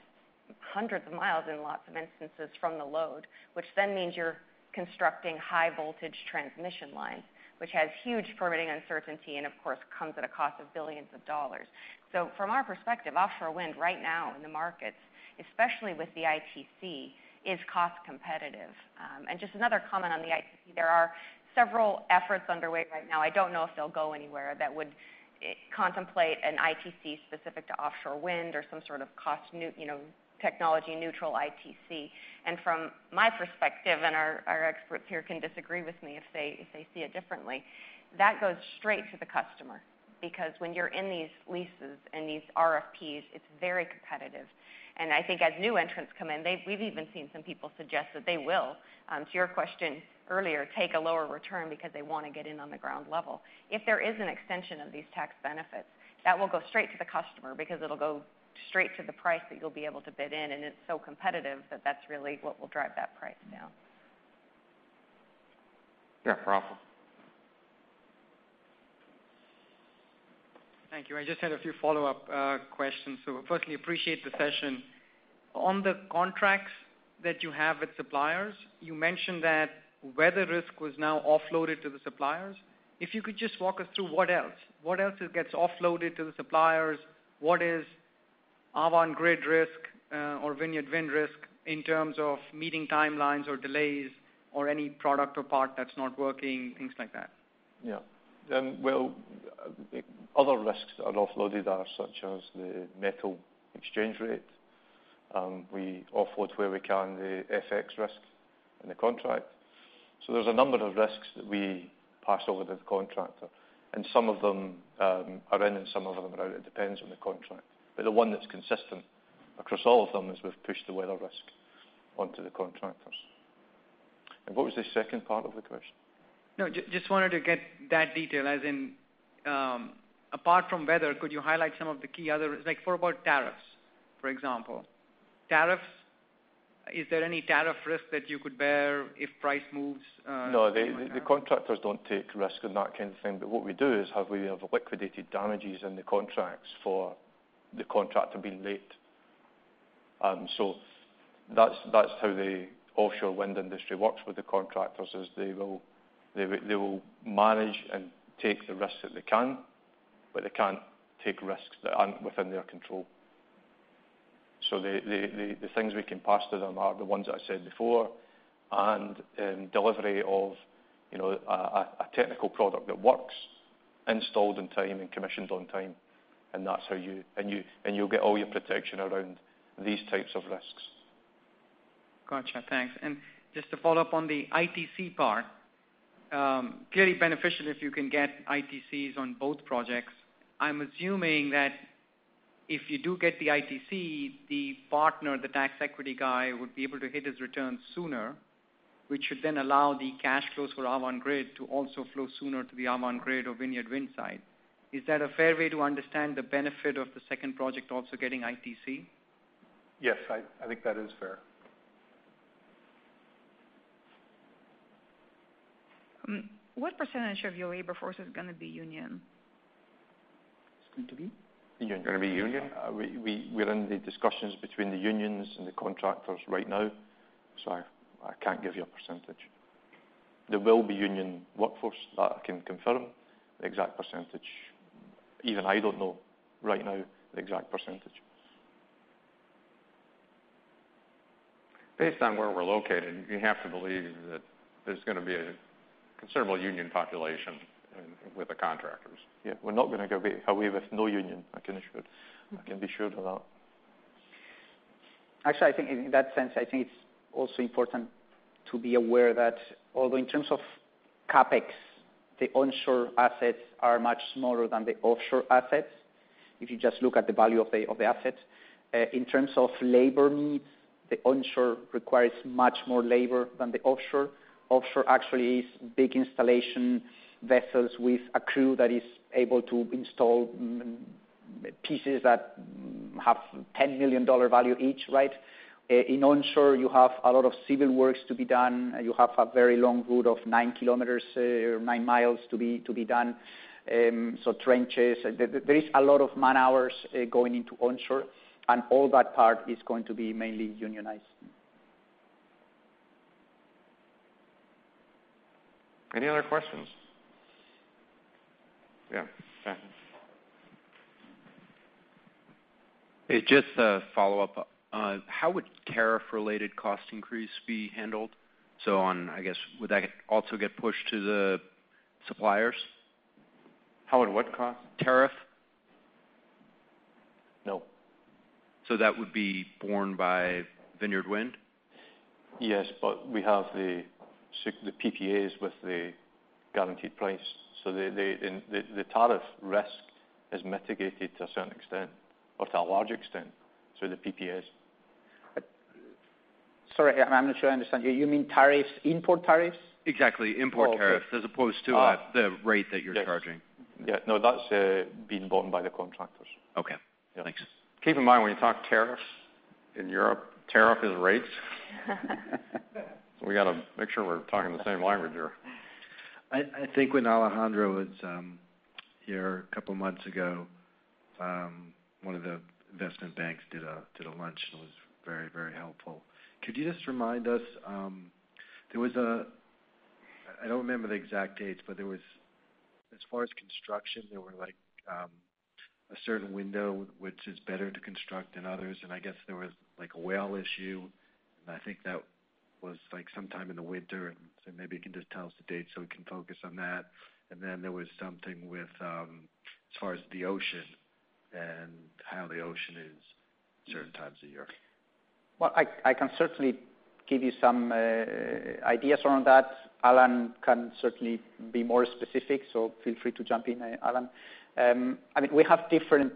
hundreds of miles in lots of instances from the load, which then means you're constructing high voltage transmission lines, which has huge permitting uncertainty and of course, comes at a cost of billions of dollars. From our perspective, offshore wind right now in the markets, especially with the ITC, is cost competitive. Just another comment on the ITC, there are several efforts underway right now, I don't know if they'll go anywhere, that would contemplate an ITC specific to offshore wind or some sort of cost technology neutral ITC. From my perspective, and our experts here can disagree with me if they see it differently, that goes straight to the customer, because when you're in these leases and these RFPs, it's very competitive. I think as new entrants come in, we've even seen some people suggest that they will, to your question earlier, take a lower return because they want to get in on the ground level. If there is an extension of these tax benefits, that will go straight to the customer because it'll go straight to the price that you'll be able to bid in, and it's so competitive that that's really what will drive that price down. Yeah, no problem. Thank you. I just had a few follow-up questions. Firstly, appreciate the session. On the contracts that you have with suppliers, you mentioned that weather risk was now offloaded to the suppliers. If you could just walk us through what else. What else gets offloaded to the suppliers? What is Avangrid risk, or Vineyard Wind risk in terms of meeting timelines, or delays, or any product or part that's not working, things like that? Well, other risks that are offloaded are such as the metal exchange rate. We offload where we can the FX risk in the contract. There's a number of risks that we pass over to the contractor, some of them are in, and some of them are out. It depends on the contract. The one that's consistent across all of them is we've pushed the weather risk onto the contractors. What was the second part of the question? No, just wanted to get that detail, as in, apart from weather, could you highlight some of the key other. Like what about tariffs, for example? Tariffs, is there any tariff risk that you could bear if price moves? No, the contractors don't take risk on that kind of thing. What we do is we have liquidated damages in the contracts for the contractor being late. That's how the offshore wind industry works with the contractors, they will manage and take the risks that they can, but they can't take risks that aren't within their control. The things we can pass to them are the ones that I said before, delivery of a technical product that works, installed on time and commissioned on time. You'll get all your protection around these types of risks. Gotcha. Thanks. Just to follow up on the ITC part, clearly beneficial if you can get ITCs on both projects. I'm assuming that if you do get the ITC, the partner, the tax equity guy, would be able to hit his returns sooner, which would then allow the cash flows for Avangrid to also flow sooner to the Avangrid or Vineyard Wind site. Is that a fair way to understand the benefit of the second project also getting ITC? Yes, I think that is fair. What % of your labor force is going to be union? It's going to be? Union. Going to be union. We're in the discussions between the unions and the contractors right now, so I can't give you a percentage. There will be union workforce, that I can confirm. The exact percentage, even I don't know right now the exact percentage. Based on where we're located, you have to believe that there's going to be a considerable union population with the contractors. Yeah, we're not going to go away with no union, I can assure. I can be sure of that. Actually, I think in that sense, I think it's also important to be aware that although in terms of CapEx, the onshore assets are much smaller than the offshore assets, if you just look at the value of the assets. In terms of labor needs, the onshore requires much more labor than the offshore. Offshore actually is big installation vessels with a crew that is able to install pieces that have $10 million value each, right? In onshore, you have a lot of civil works to be done. You have a very long route of nine kilometers or nine miles to be done, so trenches. There is a lot of man-hours going into onshore, and all that part is going to be mainly unionized. Any other questions? Yeah. Hey, just a follow-up. How would tariff-related cost increase be handled? Would that also get pushed to the suppliers? How would what cost? Tariff. No. That would be borne by Vineyard Wind? Yes, we have the PPAs with the guaranteed price. The tariff risk is mitigated to a certain extent, or to a large extent, through the PPAs. Sorry, I'm not sure I understand you. You mean tariffs, import tariffs? Exactly, import tariffs, as opposed to the rate that you're charging. Yes. No, that's being borne by the contractors. Okay. Yeah. Thanks. Keep in mind, when you talk tariffs in Europe, tariff is rates. We got to make sure we're talking the same language here. I think when Alejandro was here a couple of months ago, one of the investment banks did a lunch, and it was very helpful. Could you just remind us, I don't remember the exact dates, but there was, as far as construction, there were a certain window which is better to construct than others, and I guess there was, like, a whale issue. I think that was sometime in the winter, maybe you can just tell us the dates so we can focus on that. Then there was something with, as far as the ocean and how the ocean is certain times of year. Well, I can certainly give you some ideas around that. Alan can certainly be more specific, feel free to jump in, Alan. I mean, we have different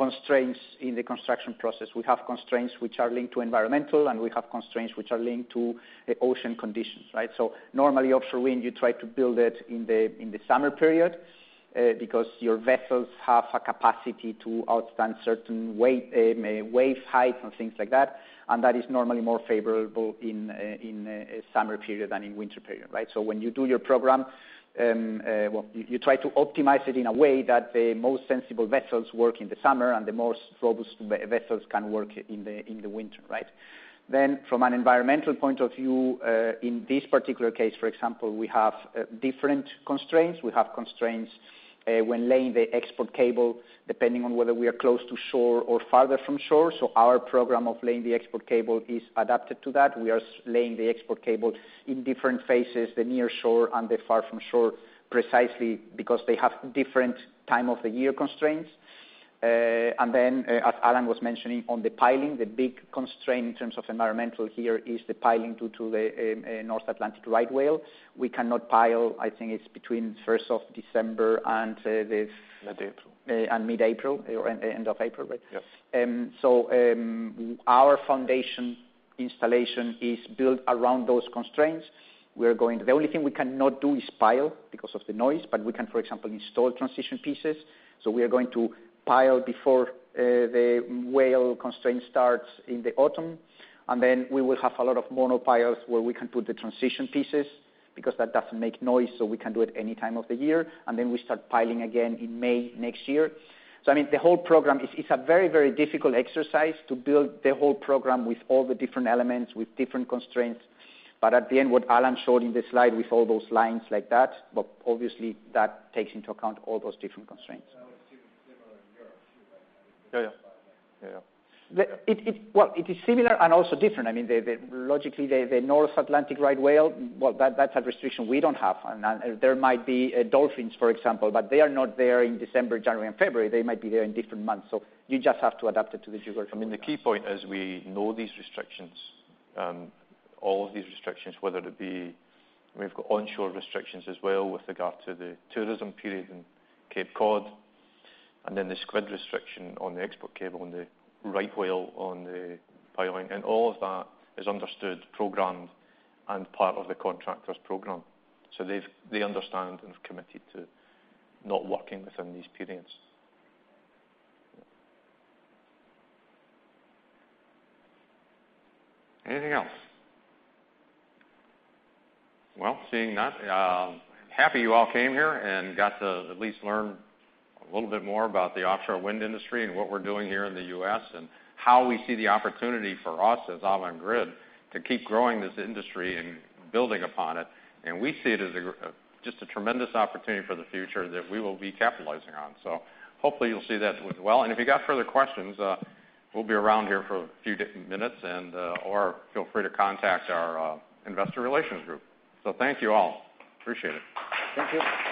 constraints in the construction process. We have constraints which are linked to environmental, we have constraints which are linked to ocean conditions. Normally, offshore wind, you try to build it in the summer period because your vessels have a capacity to outstand certain wave height and things like that is normally more favorable in summer period than in winter period. When you do your program, you try to optimize it in a way that the most sensible vessels work in the summer and the most robust vessels can work in the winter. From an environmental point of view, in this particular case, for example, we have different constraints. We have constraints when laying the export cable, depending on whether we are close to shore or farther from shore. Our program of laying the export cable is adapted to that. We are laying the export cable in different phases, the near shore and the far from shore, precisely because they have different time of the year constraints. As Alan was mentioning on the piling, the big constraint in terms of environmental here is the piling due to the North Atlantic right whale. We cannot pile, I think it's between 1st of December and Mid-April mid-April or end of April, right? Yes. Our foundation installation is built around those constraints. The only thing we cannot do is pile because of the noise, but we can, for example, install transition pieces. We are going to pile before the whale constraint starts in the autumn, and then we will have a lot of monopiles where we can put the transition pieces because that doesn't make noise, so we can do it any time of the year. We start piling again in May next year. The whole program, it's a very difficult exercise to build the whole program with all the different elements, with different constraints. At the end, what Alan Hannah showed in the slide with all those lines like that, obviously that takes into account all those different constraints. That was similar in Europe, too, right? Yeah. It is similar and also different. Logically, the North Atlantic right whale, that's a restriction we don't have. There might be dolphins, for example, but they are not there in December, January and February. They might be there in different months, so you just have to adapt it to the geography. The key point is we know these restrictions, all of these restrictions, whether it be we've got onshore restrictions as well with regard to the tourism period in Cape Cod, then the squid restriction on the export cable and the right whale on the piling. All of that is understood, programmed, and part of the contractor's program. They understand and have committed to not working within these periods. Anything else? Well, seeing not, happy you all came here and got to at least learn a little bit more about the offshore wind industry and what we're doing here in the U.S. and how we see the opportunity for us as Avangrid to keep growing this industry and building upon it. We see it as just a tremendous opportunity for the future that we will be capitalizing on. Hopefully you'll see that as well. If you've got further questions, we'll be around here for a few minutes, or feel free to contact our Investor Relations group. Thank you all. Appreciate it. Thank you.